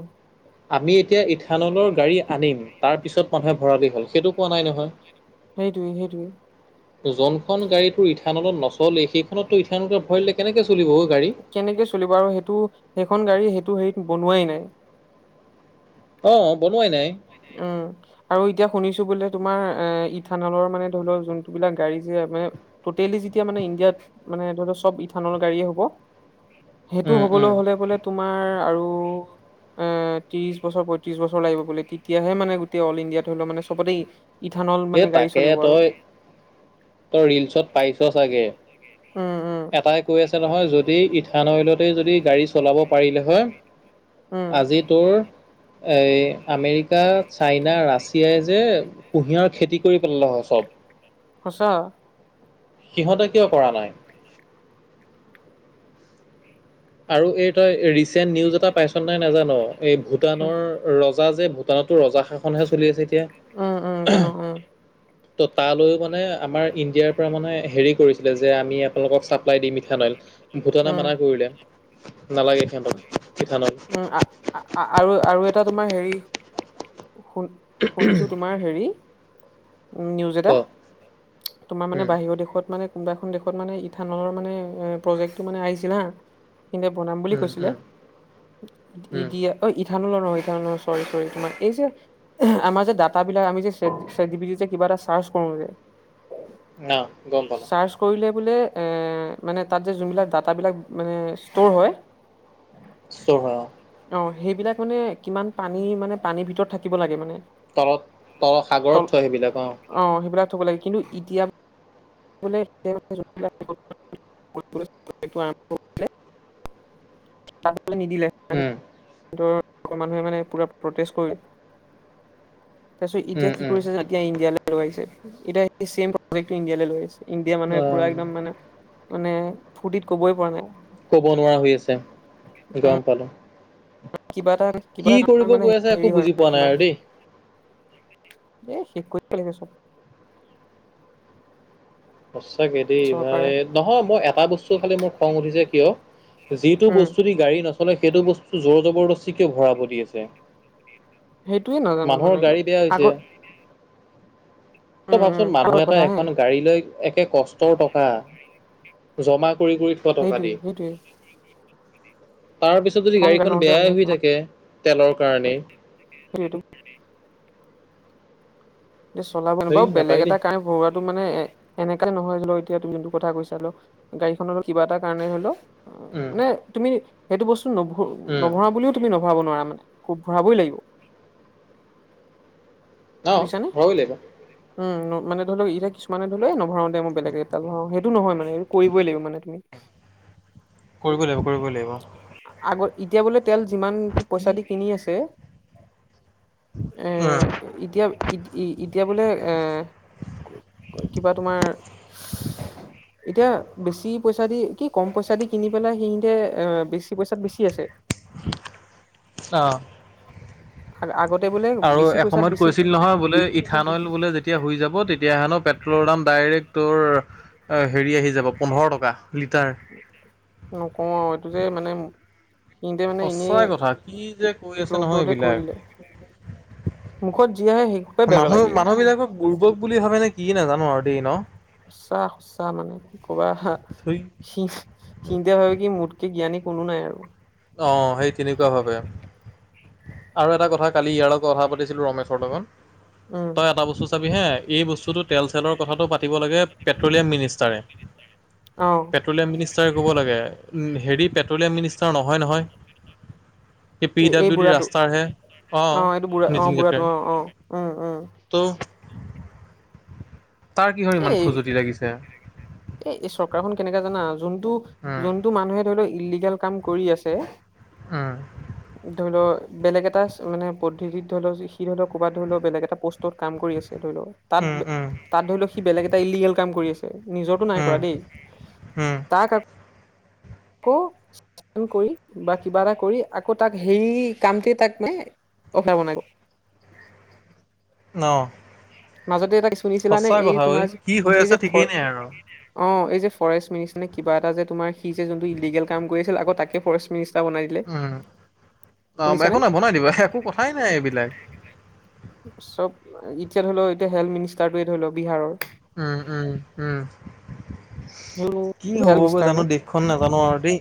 আমি এতিয়া ইথানলৰ গাড়ী আনিম তাৰ পিছত মানুহে ভঁৰালি হ'ল সেইটো কোৱা নাই নহয়। সেইটোৱ, সেইটোৱ। যোনখন গাড়ী তোৰ ইথানত নচলে সেইখনতটো ইথানত ভৰিলে কেনেকে কেনেকে চলিব আৰু সেইটো সেইখন গাড়ী সেইটো হেৰিত বনোৱাই নাই। অ, বনোৱাই নাই। উম, আৰু এতিয়া শুনিছো বোলে তোমাৰ এ ই থানালৰ মানে ধৰি লও যোন বিলাক গাড়ী যে তোতেলি যেতিয়া মানে ইণ্ডিয়াত মানে ধৰ চব ইথানৰ গাড়ে হ'ব। [inaudible] সেইটো উম, হবলৈ উম। হলে বোলে তোমাৰ আৰু অ, ত্ৰিশ বছৰ, পয়ত্ৰিশ বছৰ লাগিব বোলে। তেতিয়াহে মানে গোটেই অল ইণ্ডিয়াত তোত মানে চবতে ইথানল এই মানে গাড়ী তাকে চলিব আৰু। তই তই ৰিলচত পাইছ চাগে উম উম এটাই কৈ আছে নহয় যদি থানৈলতে যদি গাড়ী চলাব পাৰিলে হয় উম আজি তোৰ এ, আমেৰিকা চাইনা ৰাছিয়াই যে কুঁহিয়াৰ খেতি কৰি পেলালে হয়। অ'। সঁচা। সিহঁতে কিয় কৰা নাই [inaudible] আৰু এই তই ৰিচেণ্ট নিউজ এটা পাইছ নাই নাজানো এই উম ভূটানৰ ৰজা যে ভূটানতো ৰজা শাসনহে চলি আছে এতিয়া উম উম জানো উম [inaudible] ত' তালৈও মানে আমাৰ ইণ্ডিয়াৰ পৰা মানে হেৰি কৰিছিলে যে আমি আপোনালোকক পাই দি মিঠা নৈল ভূটানে উম মানা কৰিলে। নালাগে সিহঁতক ইথানল উম, আৰু, আৰু এটা তোমাৰ হেৰি শুন, শুনিছোঁ তোমাৰ হেৰি উ, নিউজ ক এটা তোমাৰ মানে উম বাহিৰৰ দেশত মানে কোনোবা এখন দেশত মানে ইথানলৰ মানে এ প্ৰজেক্টটো মানে আহিছিল হা। সে বনাম বুলি উম কৈছিলে উম উম দিয়া অ, ই ইথানলৈ ন সেইান চৰি, চৰি তোমাৰ এই যে আমাৰ যে ডা বিলাক আমি যে কিবা এটা চাৰ্চ কৰো। ন, গম পাও। [unintelligible] তাতে জোনবিলাক ডাটা মানে ডাটা বিলাক স্তৰ হয়। [unintelligible] অ', সেইবিলাক মানে কিমান পানী মানে পানীৰ ভিতৰত থাকিব লাগে মানে তলত তলত তল সাগৰত থয় সেইবিলাক অ', - থ'ব লাগে কিন্তু এতিয়া ্ ত নিদিলে উম মানুহে মানে পুৰা প্ৰটষ্ট কৰি তাৰপিছত, এতিয়া উম কি উম কৰিছে যে, এতিয়া ইণ্ডিয়ালৈ লৈ আহিছে এতিয়া ছেম প্ৰজেক্টো ইণ্ডিয়ালৈ লৈ আহিছে ইণ্ডিয়া অ মানুহে পুৰা একদম মানে, মানে ফূৰ্তিত কবই পৰা নাই কব নোৱাৰা হৈ আছে, গম পালো কিবা এটা, কিবা কি এটা কৰিব মানে, গৈ আছে একো হেৰি বুজি হয় পোৱা নাই তোমাৰ আৰু দেই এ, শেষ কৰি লে চব সঁচাকৈ দেই ভাই চৰকাৰে নহয়, মই এটা বস্তু খালি মোক খং উঠিছে কিয়? যিটো উম বস্তু দি গাড়ী নচলে, সেইটো বস্তু জোৰ জবৰদস্তিকে ভৰাব দি আছে সেইটোয়ে নাজানো মানুহৰ মানে, কি গাড়ী বেয়া হৈছে আগত তই ভাবচোন মানুহ এটা হে এখন গাড়ী লৈ একে কষ্টৰ টকা জমা কৰি কৰি থোৱা টকা সেইটোৱে দি সেইটোৱে তাৰ পিছত, যদি এখন গাড়ী গাড়ীখন লওঁতে বেয়াই মানুহে হৈ কিমান থাকে তেলৰ কাৰণেই সেইটো চলাব ন, হেই বাৰু বেলেগ নাপায় এটা দেই কাৰণে ঘৰুৱাত মান এনেকাই নহয় তুমিটো কথা কৈছা, হ গাড়ীনৰ কিবা এটা কাৰণে হৰি লও অ', উম মানে, তুমি সেইটো বস্তু উম নভৰা বুলিও তুমি নভৰাব নোৱাৰা মানে, খুব ভৰাবই লাগিব অ', বুজিছানে লাগিব উম, মানে ধৰি লক এতিয়া কিছুমানে ধ ললে নভৰাও দে ম বেলেগ এাল ভৰাও সেইটো নহয় মানে কৰিবই লাগিব মানে, তুমি কৰিব লাগিব, কৰিবই লাগিব আগত এতিয়া বোলে তেল যিমান পইচা দি কিনি আছে এ, উম এতিয়া এতিয়া বোলে, এ কিবা তোমাৰ এতিয়া বেছি পইচা দি কি কম পইচা দি কিনি পেলাই সেইখিনিতে বেছি পইচাত বেছি আছে আহ, আগ আৰু এসময়ত কৈছিল নহয়, বোলে ইথান অইল বোলে যেতিয়া হই যাব তেতিয়া হেনো পেট্ৰলৰ দাম ডাইৰেক্ট তোৰ হেৰি, আহি যাব পোন্ধৰ টকা লিটাৰ নকওঁ এইটো যে মানে সিহঁতে মানে এনেই সঁচাই কথা, কি যে কৈ আছে ফ্ল' নহয় ফ্ল'তে কৰি এইবিলাক দিলে মুখত যি আহে সেই সোপাই বেল মানুহ বেলাই দিয়ে। মানুহ বিলাকক বুৰ্বক বুলি ভাবে নে, কি নাজানো আৰু দেই ন সচা সচা উ চাহ মানে কি ক'বা থুই ভাৱ কি মোতকে জ্ঞানী কোনো নাই আৰু অ', সেই তেনেকুৱা ভাৱে আৰু এটা কথা, কালি ইয়াৰ লগত কথা পাতিছিলো ৰমেশৰ লগত উম তই, এটা বস্তু চাবি হে এই বস্তুতটো তেল চেলৰ কথাটো পাতি পাতিব লাগে পেট্ৰলিয়াম মিনিষ্টাৰে অ পেট্ৰলিয়াম মিনিষ্টাৰে ক'ব লাগে, হেৰি পেট্ৰলিয়াম মিনিষ্টাৰ নহয় নহয় এই পি ডাব্লিউ ডি ৰাস্তা হে অ', এইটো বুঢ়া অ বুঢ়াটো অ অ উম উম [unintelligible] ত তাৰ কিহৰ এ ইমান খজুতি লাগিছে এ এই চৰকাৰখনন কেনেকাে জানা যোনটো উম যোনটো মানুহে ধৰি, লওক ইলিগেল কাম কৰি আছে উম ধৰি, ল বেলেগ এটা মানে, পদ্ধতিত ধৰি লও সি ধৰি লও ক'ৰবাত ধৰি লও বেলেগ এটা পোষ্টতাম কৰি আছে ধৰি, লওক উম উম তাত ধৰি লওক, সি বেলেগ এটা ইলিগেল কাম কৰি আছে নিজৰটো নাই কৰা উম দেই। উম তাক আকৌ কৰি বা কিবা এটা কৰি আকৌ তাক হেই কামটোৱে তাক মে [unintelligible] ন',। মাজতে এটা কেছ শুনিছিলা নে? এই তোমাৰ যে কি হৈ এই আছে যে ফ ঠিকেই নাই আৰু অ', এই যে ফৰেষ্ট মিনিষ্টাৰনে কিবা এটা, যে তোমাৰ, সি যে যোনটো ইলিগেল কাম কৰিছিল, আৰু তাকে ফৰেষ্ট মিনিষ্টাৰ বনাই দিলে উম। অ', একো শুনিছানে? নহই বনাই দিবা। একো কথাই নাই এইবিলাক। চব, এতিয়া ধৰি ল, এতিয়া হেল্থ মিনিষ্টাৰটোৱে, ধৰি ল, বিহাৰৰ উম, উম, উম। কি হেল্থ হব গৈ মিনিষ্টাৰ জানো, নে দেশখন নাজানো আৰু দেই।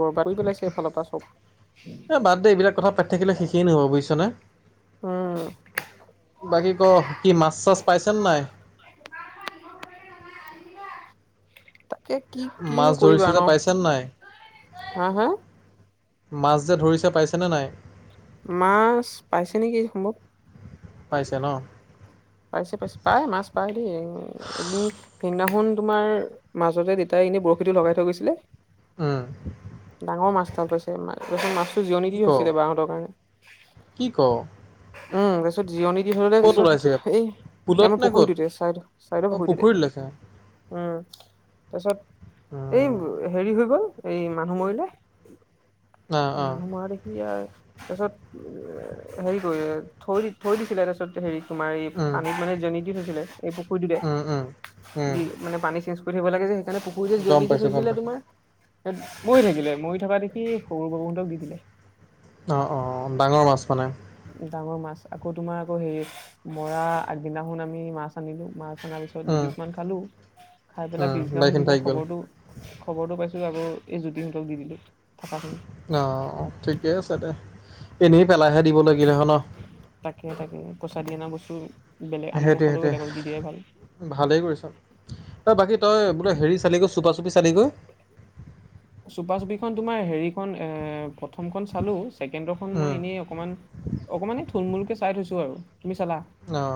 বৰবাদ কৰি পেলাইছে এফালৰ পৰা চব এই বাদ দে। এইবিলাক কথা পাতি থাকিলে শেষে ন'হব বুজিছনে? উম বাকী ক কি মাছ চাছ পাইছেনে নাই? তাকে কি মাছ কিনো ধৰিছে কৰিবা যে ন পাইছে নে নাই? হা হা? মাছ যে ধৰিছে পাইছেনে নাই? মাছ পাইছে নেকি সম্ভৱ। পাইছে ন? পাইছে পাইছে পাই মাছ পাই দেই এদিন সেইদিনাখন তোমাৰ মাজতে দেতাই এনে বৰশীটো লগাই থৈ গৈছিলে, উম। ডাঙৰ মাছ ভাল পাইছে মাছটো জিৰণি কি দি ক? হৈছিলে বাহঁতৰ কাৰণে। কি কওঁ? উম, তাৰিছত জিৰণি দি ধৰিলে তাৰপিছত। এই পুলত আমাৰ নে ক'ত? পুখুৰীটো টে চাইদ-চাইদৰ অ পুখুৰীটো টে। পুখুৰীত ওলাইছে। উম, তাৰপিছত উম। এই হেৰি হৈ গ'ল। এই মানুহ মৰিলে। অ অ। মানুহ মৰা দেখি আৰু তাৰপিছত উ হেৰি কৰি থৈ দি থৈ দিছিলে তাৰ পিছত হেৰি তোমাৰ এই উম। পানীত মানে জনিট দি থৈছিলে এই পুখুৰীটোতে উম উম। উম। য মানে পানী চেঞ্জ কৰি থাকিব লাগ যে, সেইকাৰণে পুখুৰীতে গম জিৰণি দি পাইছোঁ গম থৈছিলে পাইছোঁ। তোমাৰ। মৰি থাকিলে। মৰি থকা দেখি সৰু বাপুহঁতক দি দিলে। অ', অ, ডাঙৰ মাছ মানে? ডাঙৰ মাছ আকৌ তোমাৰ আকৌ হেৰি মৰা আগদিনাখন আমি মাছ আনিলো। মাছ আনাৰ পিছত উম দুপিছ মান খালো। খাই পেলাই উম পিছদিনাখন দাইখিনি যেতিয়া থাকি গ'ল। খবৰটো-খবৰটো পাইছো। এই আকৌ এই জোতি হতক দি দিলো। থকাখিনি অ', ঠিকে আছে দে। এনেই পেলাইহে দিব লাগিলে হয় ন। চাৰি অনা বস্তু বেলেগ আমি সেইটো নাখালেও সেইটোৱে বেলেগক দি দিয়াই ভাল ভালেই কৰিছ। ঐ তই বাকী তই বোলে হেৰি [unintelligible] চুপা চুপিখন তোমাৰ হেৰিখন এ প্ৰথমখন চালো ছেকেণ্ডৰখন উম মই এনেই অকণমান-অকণমানে থুলমুলকে চাই থৈছো আৰু তুমি চালা? অ',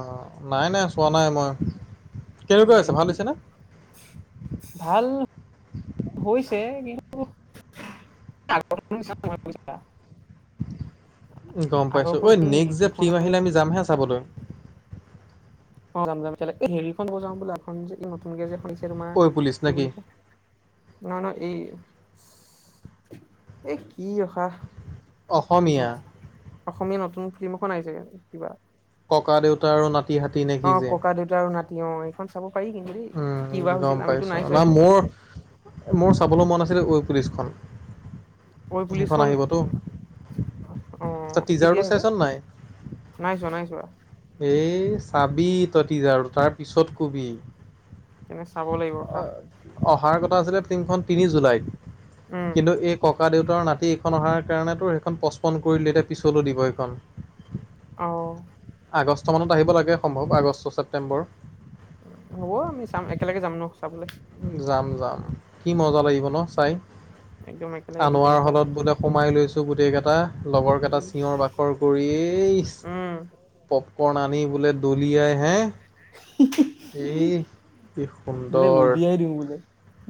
নাই নাই চোৱা নাই মই। কেনেকুৱা হৈছে উম, ভাল হৈছে নে ভাল হৈছে কিন্তু [unintelligible] গম পাইছো। আগৰখন ঐ নেক্স যে যোনখন ফিল্ম আহিলে আমি যামহা চাবলৈ। অ', যাম যাম হেৰিখন বজাও বোলা এখন যে নতুনকে যে শুনিছে তোমাৰ ঐ পুলিচ নে কি বুলি কয় নহ ন এই-এই কি ৰখা। অসমীয়া অসমীয়া নতুন ফিল্ম এখন আহিছে কিবা? ককা দেউতা আৰু না অ', ককা দেউা আৰু নাতি অ', এইখন চাব পাৰি কিন্তু দেই উম, কিবা হৈছিল গম আমিতো পাইছো নাই চোৱা না এইখন মোৰ মোৰ চাবলৈ মন আছিলে। পুলিচখন ঐ সেইখন পুলিচখন আহিবতো তই অ' কেতিয়া টিজাৰটো আহিব চাইছ নে নাই নাইচোৱা, নাইচোৱা। এ চাবি তইতিজ আৰু তাৰ পিছত কবি তেনে চাব লাগিব ৰখা অ- অহাৰ কথা আছিলে তিনখন তিনি জুলাইত উম কিন্তু এই ক ককা দেউতাৰ নাতি এইখন অহাৰ কাৰণেতো সেইখন পচপন কৰিল এতিয়া পিছলৈ দিব এইখন। অ' আগষ্ট মানত আহিব লাগে, সম্ভৱ আগষ্ট ছেপ্টেম্বৰ। হ'ব আমি চাম একেলগে যাম ন চাবলৈ। যাম, যাম কি মজা লাগিব ন চাই। একদম একেলগে গোটেই আনোৱাৰ মুখা যাম হলত বোলে সোমাই লৈছো গোটেই কেইটা। লগৰ কেইটা ইচ চিঞৰ বাখৰ কৰিয়েই ইছ। উম পপকৰ্ণ আনি বোলে দলিয়াই হে এই কি সুন্দৰ।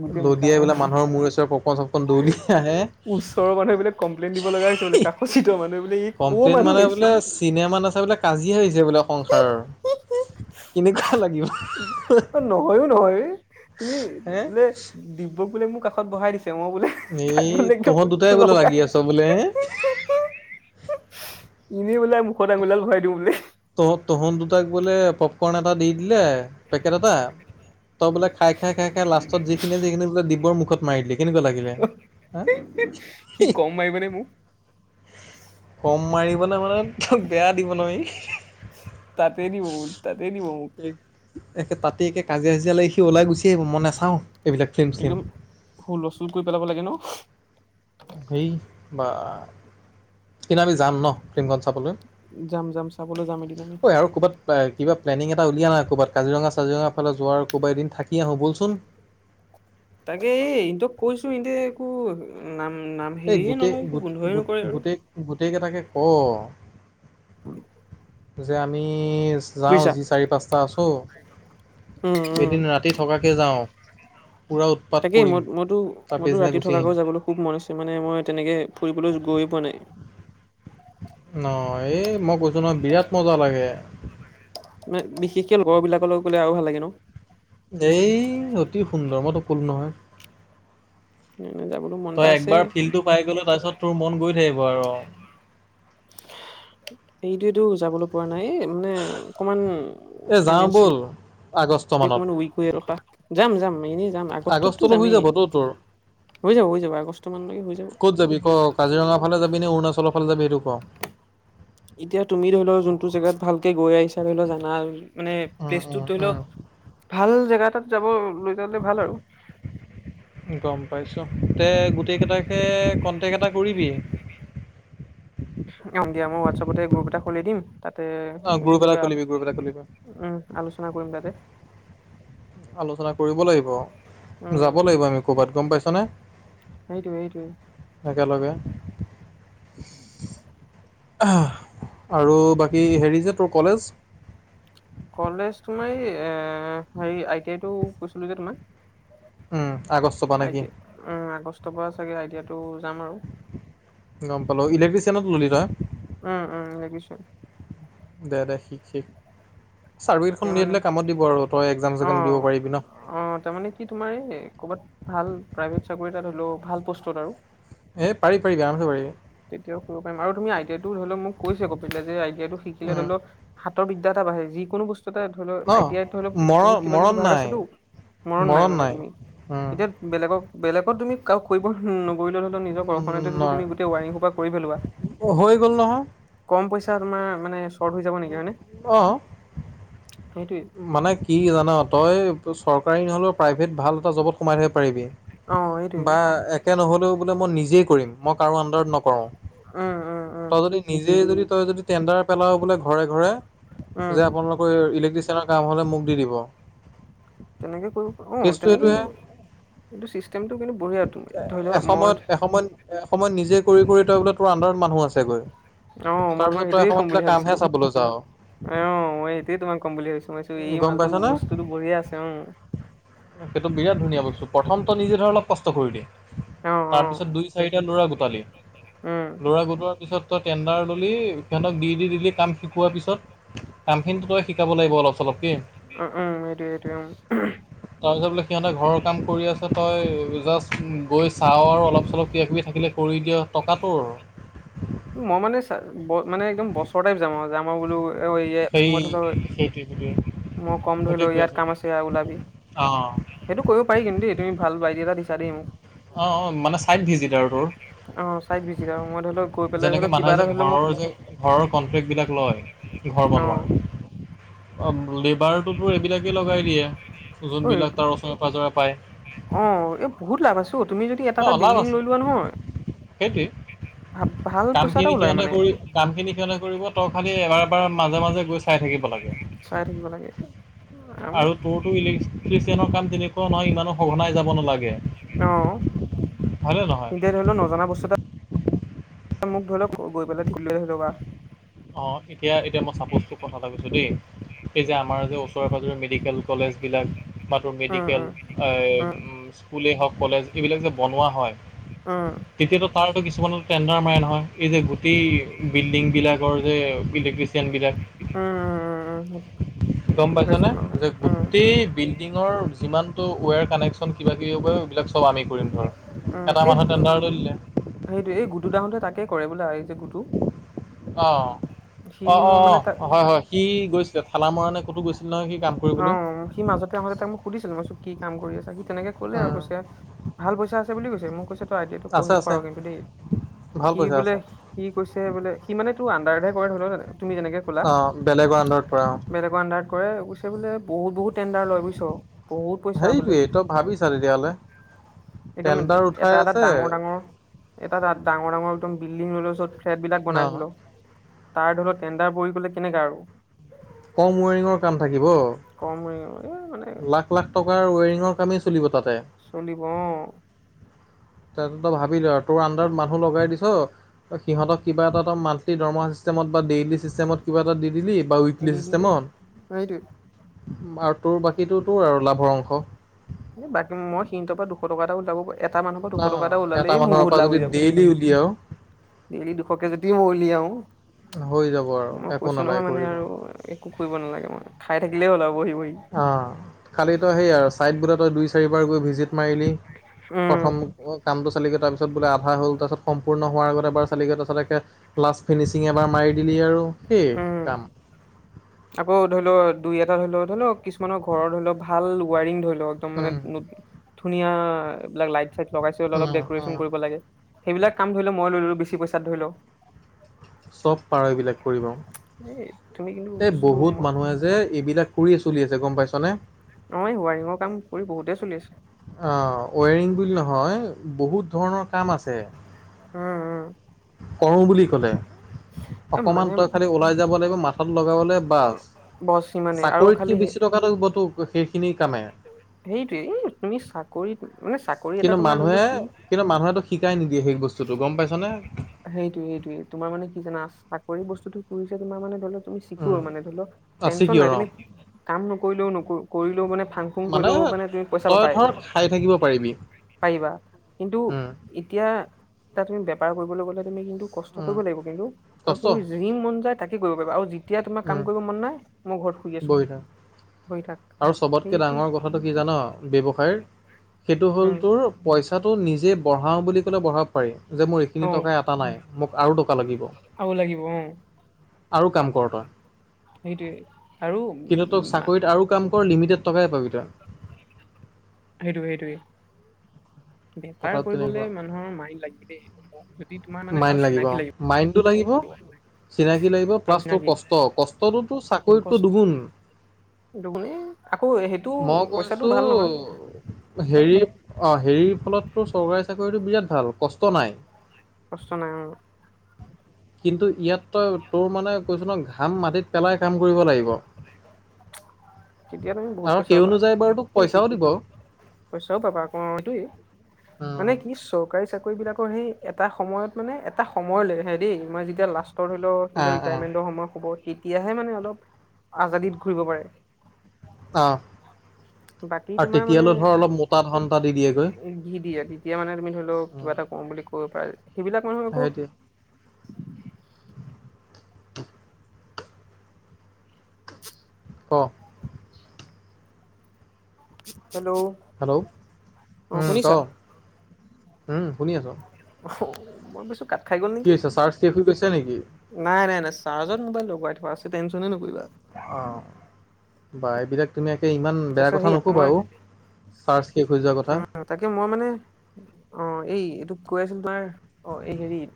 মোকে লদিয়াই মোকাম বোলে মানুহৰ মূৰে চূৰে পপকৰ্ণ চপকৰ্ণ দলিয়াই হে ওচৰৰ মানুহ এইবিলাক কমপ্লেইন দিব লাগে। [unintelligible] কাষ চিত মানুহে বোলে ই কৰ কমপ্লেইন মানুহ মানে আহিছিল বোলে চিনেমা নাচায় বোলে কাজিয়া হৈছে বোলে সংসাৰৰ। কেনেকুৱা লাগিব। অ'নহয়ো, নহয় তুমি হে বোলে দিব্য বোলে মোৰ কাষত বহাই দিছে। তেওঁ বোলে এই কাক বোলে একদম তহঁত দুটাই বোলে লাগি লগাই। আছ বোলে হে এনেই বোলে মুখত আঙুলি দাল ভৰাই দিওঁ বোলে। তহ'ত তহ'ত দুটাক বোলে পপকৰ্ন এটা দি দিলে পেকেট এটা তই বোলে খাই খাই খাই খাই লাষ্টত যিখিনি সিখিনি বোলে দিব্যৰ মুখত মাৰি দিলি। কেনেকুৱা লাগিলে হা। সি কম মাৰিব নে মোক কম মাৰিবনে মানে তো বেয়া দিব নহয়। তাতে দিব বোলে তাতে দিব। মোক একে তাতে একে কাজিয়া চাজিয়া লাগি সি ওলাই গুচি আহিব মই নেচাওঁ। একদম হুলস্থুল কৰি পেলাব লাগে ন। হেই বা কিন্ত আমি যাম ন। ফ্লিমখন চাবলৈ যাম যাম চাবলৈ যাম এদিন আমি ঐ আৰু ক'ৰবাত কিবা প্লেলেনিং এটা উলওিয়া নাই ক'ৰবাত কাজিৰঙা চাজিৰঙা ফালে যোৱাৰ ক'ৰবাত এদিন থাকি আহোঁ। ব'লচোন [inaudible] তাকে এইটোক কৈছো ইহঁতে একো নাম নাম এই হেৰিয়ে গোটেই নলয় একো গোট গোন্ধই নকৰে আৰু গোটেই গোটেইকেইটাকে কৰ উম। যে আমি যাওঁ যি চাৰি পাঁচটা আছো। উম উম এদিন ৰাতি থকাকে যাওঁ। পুৰা উৎপাত তাকেই কৰিম মই মইতো তাৰ মইতো পিছদিনা ৰাতি গুচি আহিম থকাকৈ যাবলৈ খুব মন আছে। মানে মই তেনেকে ফুৰিবলৈ গৈয়ে পোৱা নাই। ন এই মই কৈছো নহয় বিৰাট মজা লাগে। মানে বিশেষকে লগৰ বিলাকলৈ গ'লে আৰু ভাল লাগে ন। এই অতি সুন্দৰ মই টোক কলো নহয়। এনে যাবলৈ মন এটা তই আছে একবাৰ ফিল্ডটো পাই গ'লে। তাৰপিছত তোৰ মন গৈ থাকিব আৰু [inaudible] সেইটোৱে টো যাবলৈ পৰা নাই মানে অকণমান এ যাওঁ ব'ল ফাইনেঞ্চিয়েলি আগষ্ট মানত অকমান উইক হয় ৰখা যাম যাম এনে আগষ্টলৈ হৈ যাব তো তোৰ। হৈ যাব হৈ যাব আগষ্ট মানলৈকে হৈ যাব ক'ত যাবি ক কাজিৰঙা ফালে যাবি নে অৰুণাচলৰ ফালে যাবি সেইটো ক। এতিয়া তুমি ধৰি লও যোনটো জেগাত ভালকে গৈ আহিছা ধৰি লও জানা মানে উম প্লেচটো উম ধৰি লও উম ভাল জেগা এ তাত যাব। লৈলে ভাল আৰু। গোটেইকেইটাকে কণ্টেক্ট এটা কৰিবি অ, দিয়া মই হোৱাটছআপতে গ্ৰুপ এটা খুলি দিম। তাতে অ গ্ৰুপ এটা চবে আ খুলিবি গ্ৰুপ এটা খুলিবি উম, আলোচনা কৰিম তাতে। আলোচনা কৰিব লাগিব, উম যাব লাগিব আমি ক'বাত গম পাইছ নে নেইট এইেইট একেলগে আৰু বাকী হেৰি যে তোৰ কলেজ কলেজ তোমাৰ এই হেৰি আই টি আই টো কৈছিলো যে তোমাৰ উম। আগষ্টৰ পৰা নেকি আইয়া উ আগষ্টৰ পৰা চাগে আইডিয়াতটো গম পালো ইলেক্ট্ৰিচিয়ানত ললি তই উম, উম, লখিছয় দে, শিক, শিক চাৰ্ফ তাকে এইটখন নি মানে দিলে কামত দিব আৰু তই একজাম অ চাম দিব পাৰিবি ন। অ, তাৰমানানে কি তোমাৰ এই কৰ'বাত ভাল প্ৰাইভেট চাকৰিাত হলেও ভাল পষ্টত আৰু এই পাৰি পাৰি আমে পাৰি। তেতিয়াও কৰিব পাৰিম আৰু তুমি আইডিয়াটো ধৰি লও মোক কৈছে কপা যে আইডিয়াটো শিকিলে উম ধৰি লও। বিদ্যা বাঢ়ে যিকোনো বস্তু ধৰি ল অ আইটিই ধৰি লও মৰণ বহুত কিবা, কিবি মৰণ ভাগ নাই আছেতো মনট নাই মানে তুমি এতিয়া বেলেগক, বেলেগত তুমি কৰিব নকৰিলে ধৰি লও নিজৰ উম ঘৰ্ষণাতে ন যদি তুমি [unintelligible] খোপা কৰি পেলোৱা, হৈ গ'ল নহয় কম পইছা তোমাৰ মানে হৈ যাব নেকি হয়নে। অ সেইটোৱে মানে কি জানা তই চৰকাৰী নহ'লে প্ৰাইভেট ভাল এটা জবত সোমাই থৈব পাৰিবি। অ, এইটোৱে। তে নহ'লেও বোলে মই নিজেই কৰিম মই কাৰো আডাৰত নকৰো উম উম উম তই যদি নিজে যদি তই যদি টেন্দাৰ পেলাৱ বোলে ঘৰে ঘৰে, উম যে আপোনালোকৰ ইলে কাম হলে মোক দি দিব। তেনেকে কৰিব উ, কেছটো তেনেকেই এইটোহে এইটো চিষ্টেমটো কিন্তু বঢ়িয়া ত ধৰি লও মই এ, সময়ত নিজে কৰি, কৰি তই বোলে তোৰ আন্ধাৰত মানুহ আছেগৈ। অ, মই তোমাক তাৰপিছত তই সেইটোয়ে ক'ম এসময়ত বোলে বুলি কামহে ভাবিছিলো চাবলৈ যাওঁ অ', অ', মই এইটোয়ে তোমাক ক'ম বুলি ভাবিছিলো। উ, গম পাইছ নে সেইটো বিৰাট ধুনীয়া বস্তু প্ৰথম ত নিজে ধৰ অলপ কষ্ট কৰি দি। অ', অ'। তাৰপিছত দুই, চাৰিটা ল'ৰা গোটালি, উম, ল'ৰা গোটোৱাৰ পিছত তই টেণ্ডাৰ ল'লি সিহঁতক দি, দি, দিলি কাম শিকোৱাৰ পিছত কামখিনি তই শিকাব লাগিব। অলপ চলপকৈ উ, উম, এৰি, এৰি, উম। তাৰপিছত বোলে সিহঁতে ঘৰৰ কাম কৰি আছে। তই জাষ্ট গৈ চাও আৰু অলপ, চলপ কিবা, কিবি থাকিলে কৰি দিয়। টকা টোৰ। মই মানে, মানে একদম বছৰ টাইপ যাম আমাৰ বোলো সেই [unintelligible] মোৰ সেইটোৱে সেইটোৱে মই কম ধৰি লও সেইটোৱে কৈ ইয়াত আছোঁ কাম আছে ওলাবি। অঁ সেইটো কৰিব পাৰি কিন্ত দেই তুমি ভাল আইডিয়া এটা দি অ', অ', মানে ছাইট ভিজিটাৰ তোৰ। [unintelligible] সময়ত ধৰি লক যেনেকে মানুহে যে ঘৰৰ যে ঘৰৰ কনফ্লেক্ট বিলাক লয় ঘৰ অ', বনোৱাৰ। অ, লেবাৰটোতো এইবিলাকে লগাই দিয়ে। ঐ ওজনবিলাক তাৰ ওচৰে পাঁজৰে অ', এই পায়। বহুত লাভ আছো তুমি যদি এটা, এটা বিল্ডিং লৈ লোৱা নহয় ভা ভাল সেইটোৱেইে পইচা এটা কামখিনি ওলাই সিহঁতে মানে কৰি কামখিনি সিহঁতে কৰিব তই খালি এবাৰ বাৰ মাজে মাজে গৈ চাই থাকিব লাগে চাই থাকিব লাগে আৰু তোৰতো ইলেক্ট্ৰিচিয়ানৰ কাম তেনেকুৱা নহয় ইমানো সঘনাই যাব নালাগে। অ', হয়নে তেতিয়া ধৰি লও নহয়। নজনা বস্তু মোক ধৰি লওক গৈ পেলাই ঠিক লৈ ধৰি লবা। অ এতিয়া, এতিয়া মই চাপোজ তোক কথা এটা কৈছো দেই এই যে আমাৰ যে ওচৰে পাজৰে মেডিকেল কলেজ বিলাক বা তোৰ উম মেডিকেল, উম এ স্কুলে হওক, বা কলেজ এইবিলাক যে বনোৱা হয়। উম। তাৰো কিছুমানত টেণ্ডাৰ মাৰে নহয়। এই যে গোটেই বিল্ডিং বিলাক। আগৰ যে ইলেক্ট্ৰিচিয়ানবিলাক। উম-উম-উম-উম। গম পাইছনে যে গোটেই বিল বিল্ডিংৰ যিমানটো ৱেৰ কানেকশ্বন কিবা কিবি এইবিলাক চব আমি কৰিম ধৰ উম, এটা এই মানুহে টেণ্ডাৰটো দিলে সেইটোৱে। এই গুটুদাহ'তে তাকে কৰে হবলা। এই যে গুদু। অ। অ, অ, তাক অ, হয়, হয় সি গৈছিলে ফালা মাৰাণে ক'তো গৈছিলে নহয় সি কাম কৰিবলৈ। তাতে তাক মোক সুধিছিলো মই কি কাম কৰি আছা সি তেনেকে ক'লে আৰু কৈছে ভাল পইচা আছে বুলি কৈছে মোক কৈছে। আইডিয়াটো আছে পঢ়িব আছে পাৰো কিন্তু দেই। ভাল সি পইচা বোলে আছে সি কৈছে বোলে সি মানে তোৰ আনটো চাৰভে কৰে হবলা তুমি যেনেকৈ ক'লা অঁ বেলেগৰ আণ্ডাৰত পৰা অঁ বেলেগৰ আনন্দাৰত। কৰে গৈছে বোলে, বহুত বহুত টেণ্ডাৰ লয় বুইছ। সেইটোৱেই তই ভাবিছা তেতিয়াহ'লে। একদম টেণ্ডাৰ উঠাই এটা এটা আছে ডাঙৰ ডাঙৰ এটা তাত ডাঙৰ ডাঙৰ একদম বিল্ডিং লৈলোছো ফ্লেট বিলাক অঁ বনাইছিলো। তাৰ ধৰি লওক তেণ্ডাৰ পৰি গলে কেনেকা আৰু। কম ৱেৰিংৰ কাম থাকিব। কম এ মানে লাখ লাখ টকা ৱেৰিং চব কামেই চলিব তাত। চলিব অ। ত তই ভাবি ল আৰু তোৰ আন্দাৰত মানুহ লগাই দিছ। ত সিহঁতক কিবা এটা মন্থলী দৰমহা চিষ্টমত বা ডেইলি চিষ্টমত কিবা এটা দি দিলি। বা দি উইকলি দিলো চিষ্টেমত, সেইটোৱে আৰু তোৰ বাকীটো তোৰ আৰু লাভৰ অংশ। বাকী মই সিহঁতৰ পৰা দুশ টকা এটা ওলাব পাৰিম। এটা মানুহৰ ন দুশ টকা এটা ওলালেই মোৰ মানুহৰ পৰা বহুত লাভ যদি হৈ যাব। ডেইলি উলিয়াও ডেইলি দুশকে যদি মই উলিয়াও। হৈ যাব আৰু মই একো কৈছো নালাগে নহয় মানে কৰিব আৰু একো কৰিব নালাগে মই। খাই থাকিলেই হ'ল আৰু বহি বহি। অ খালি তই হেৰি আৰু ছাইদ বোলে তই দুই চাৰিবাৰ গৈ ভিজিট মাৰিলি। উম প্ৰথম কামটো চালিগৈ তাৰপিছত বোলে আধা হ'ল। তাৰপিছত সম্পূৰ্ণ হোৱাৰ আগত এবাৰ চালিগৈ তাৰপিছত একে লাষ্ট ফিনিচিঙ এবাৰ মাৰি দিলি আৰু। সেই উম, কাম আকৌ ধৰিলো দুই এটা ধৰি লও, ধৰি লওক কিছুমানৰ ঘৰৰ ধৰি লওক ভাল ৱায়ৰিং ধৰি লওক। একদম মানে উম ধুনীয়া, এইবিলাক লাইট চাইট লগাইছে অ অলপ ডেক'ৰেচন অ কৰিব লাগে। সেইবিলাক কাম ধৰি ল মই লৈ ললো বেছি পইচাত ধৰি লও। চব পাৰ এইবিলাক কৰিব। এই তুমি কিন্তু এই বস্তু বহুত মই মানুহে যে এইবিলাক কৰিয়ে চলি আছে গ'ম পাইছনে। অ ৱাৰিঙৰ কাম কৰি বহুতেই চলি আছে। অ ৱৰিং বুলি নহয় বহুত ধৰণৰ কাম আছে। উম, উম। কৰো বুলি ক'লে। এ অকমান মানে তই খালি ওলাই যাব লাগিব মা লগাবলে বাছ। বছ ইমানে আৰু চাকৰিত খালি কি বেছি টকা তোক সেইখিনি কামে। সেইটোয়ে তুমি চাকৰিত মানে চাকৰি এটা কিন্তু তোমাৰ ধৰি লও মানুহে, কি কিন্তু মানুহেটো শিকাই নিদিয়ে সেই বস্তুতটো গ'ম পাইছনে? সেইটোয়ে সেইটোয়ে তোমাৰ মানে কি জানা চাকৰি বস্তুতটো পুৰিছে তোমাৰ মানে ধৰিলওঁক তুমি উম, চিক'ৰ মানে ধৰি লওক টেনচন চিকিয়ৰ নাই অ'। তুমি কাম নকৰিলেও কৰিলেও মানে ফাং ফুং কৰিলেও মানে তুমি পইচা তই পাবায়। ধৰ খাই থাকিব পাৰিবি। পাৰিবা, কিন্তু উম, এতিয়া তাত তুমি বেপাৰ কৰিবলৈ গ'লে তুমি কিন্তু কষ্ট উম, কৰিব লাগিব, কিন্তু আৰু কষ্ট তুমি যি মন যায় তাকে কৰিব পাৰিব। আৰু যেতিয়া তোমাৰ কাম উম, কৰিব মন নাই মোৰ ঘৰ বহি থাক। আৰু চবতকৈ সেইটো ডাঙৰ কথাটো কি জানা ব্যৱসায়ৰ সেইটো হ'ল উম তোৰ পইচাটো নিজে বঢ়াওঁ বুলি ক'লে বঢ়াব পাৰি, যে মোৰ এইখিনি অ টকাই অতা নাই। মোক আৰু দৰকাৰ আৰু লাগিব, অ' আৰু কাম কৰ তই। সেইটোৱে, আৰু কিন্তু তোক উ চাকৰিত আৰু কাম কৰ লিমিটেড টকাই পাবি তই। সেইটোৱে সেইটোৱে, বেপাৰ কথাটো কৰিবলে তেনেকুৱা মানুহৰ মাইণ্ড লাগে দেই। যদি তোমাৰ মানে আৰু চিনাকি লাগিব। টো লাগিব চিনাকি লাগিব আৰু প্লাছ তোৰ চিনাকি কষ্ট কষ্টটো চাকৰিতকৈ দুগুণ- দুগুণে মই কৈছো হেৰি অ' হেৰিৰ ফলত তোৰ চৰকাৰী চাকৰিটো বিৰাট ভাল, কষ্ট নাই। কষ্ট নাই উম। কিন্তু ইয়াত তই তোৰ মানে কৈছো নহয় ঘাম মাটিত পেলাই কাম কৰিব লাগিব। তেতিয়া তুমি বহুত আৰু সেই অনুযায়ী বাৰু তোক পইচাওঁ দিব। পইছাওঁ পাবা অহ ইটোয়ে মানে উম কি চৰকাৰী চাকৰি কৰি বিলাকৰ সেই এটা সময়ত মানে এটা সময়লৈ হেৰী মই যেতিয়া লাষ্ট ৰ ধৰিল সিহ'তৰ আহ আহ ৰিটায়াৰমেণ্ট হ'বৰ সময়ত তেতিয়াহে মানে অলপ আজাদিত ঘূৰিব পাৰে। অ' আৰু তেতিয়ালৈ ধৰ অলপ মোটা ধন এটা দি দিয়েগৈ দি দিয়ে দি দিয়ে তেতিয়া মানে তুমি ধৰি লওঁ কিবা উম এটা কৰো বুলি ক'ৰিব পাৰে। সেইবিলাক মানুহ আকৌ সেইটোৱে [unintelligible] ক কি [unintelligible] হেল্ল' উম ক শুনিছা উম শুনি আছো। মই ভাবিছোঁ কাত খাই গ'ল কি নেকি হৈছে চাৰ্জ শেষ হৈ গৈছে নেকি নাই নাই নাই চাৰ্জত মোবাইল লগাই থোৱা আছে টেনশ্যন এ নকৰিবা। অ' বা এইবিলাক তুমি কে ইমান তাৰপিছত বেয়া কথা নকবা অ' চাৰ্জ শেষ হৈ যোৱা কথা উম তাকে মই মানে অ' এই এইটো কৈ আছিলো তোমাৰ অ' এই হেৰিত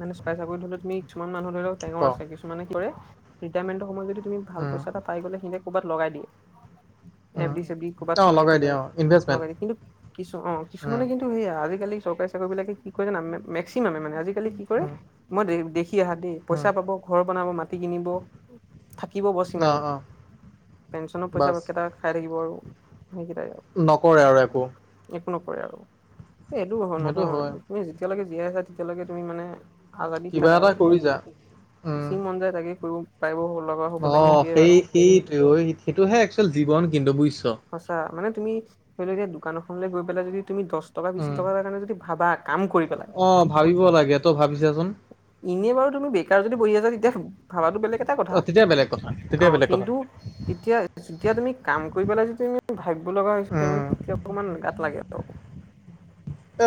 মানে চৰকাৰী চাকৰিটো হ'লে তুমি কিছুমান মানুহৰ ধৰি লওঁক ক টেঙৰ আছে কিছুমানে কি কৰে ৰিটায়াৰমেণ্ট সময়ত যদি তুমি ভাল উম পইছা এটা পাই গ'লে সিহঁতে কৰ'বাত লগাই দিয়ে, এফ উম ডি চেফ দি কৰ'বাত অ সুমিয়াই লগাই থৈ দিয়া যায়। অ ইনভেষ্টমেণ্ট লগাই দিয়ে ও কিন্তু কিছু অ উম কিছুমানে কিন্তু সেয়া আজিকালি চৰকাৰী চাকৰিবিলাকে কি কৰে মেক্সিমানে আজিকালি কি কৰে উম মই দেখিছোঁ কি আহাদে উম পইচা পাব ঘৰ বনাব মাটি কিনিব থাকিব বছ অ সিমানেই অ পেঞ্চনৰ পইচা বাছ কেইট খাই থাকিব আৰু সেইকেইটাই নকৰে আৰু একো। একো নকৰে আৰু, এই এইটো সেইটো নহয় হয় তুমি যেতিয়ালৈকে জীয়াই আছা তেতিয়ালৈকে তুমি মানে আজাদিত কিবা থকা এটা আৰু, কৰি যা উম যি মন যায় তাকে কৰিব পাৰিব হ'ল অ', সেই সেইটোৱে সেইটোহে এক্সুয়েল জীৱন কিন্তু বুজিছ সঁচা মানে, তুমি ধৰি লও এতি দোকান এখনৈ গৈ পেলাই যদি তুমি, দশ টকা, বিশ উম টকাৰ, কাৰণে যদি ভাবা কাম কৰি পেলাই অ', ভাবিব লাগে তই ভাবিছাচোন এনে বাৰু তুমি বেকাৰ যদি তেতিয়া ভাবাটো বেলেগ এটা কথা, অ', তেতিয়া বেলেগ কথা তেতিয়া অ', বেলেগ কথা। কিন্তু তেতিয়া তেতিয়া তুমি কাম কৰি পেলাই যদি তুমি ভাবিব লগা হৈছে উম, তেতিয়া অকমান গাত লাগে আৰু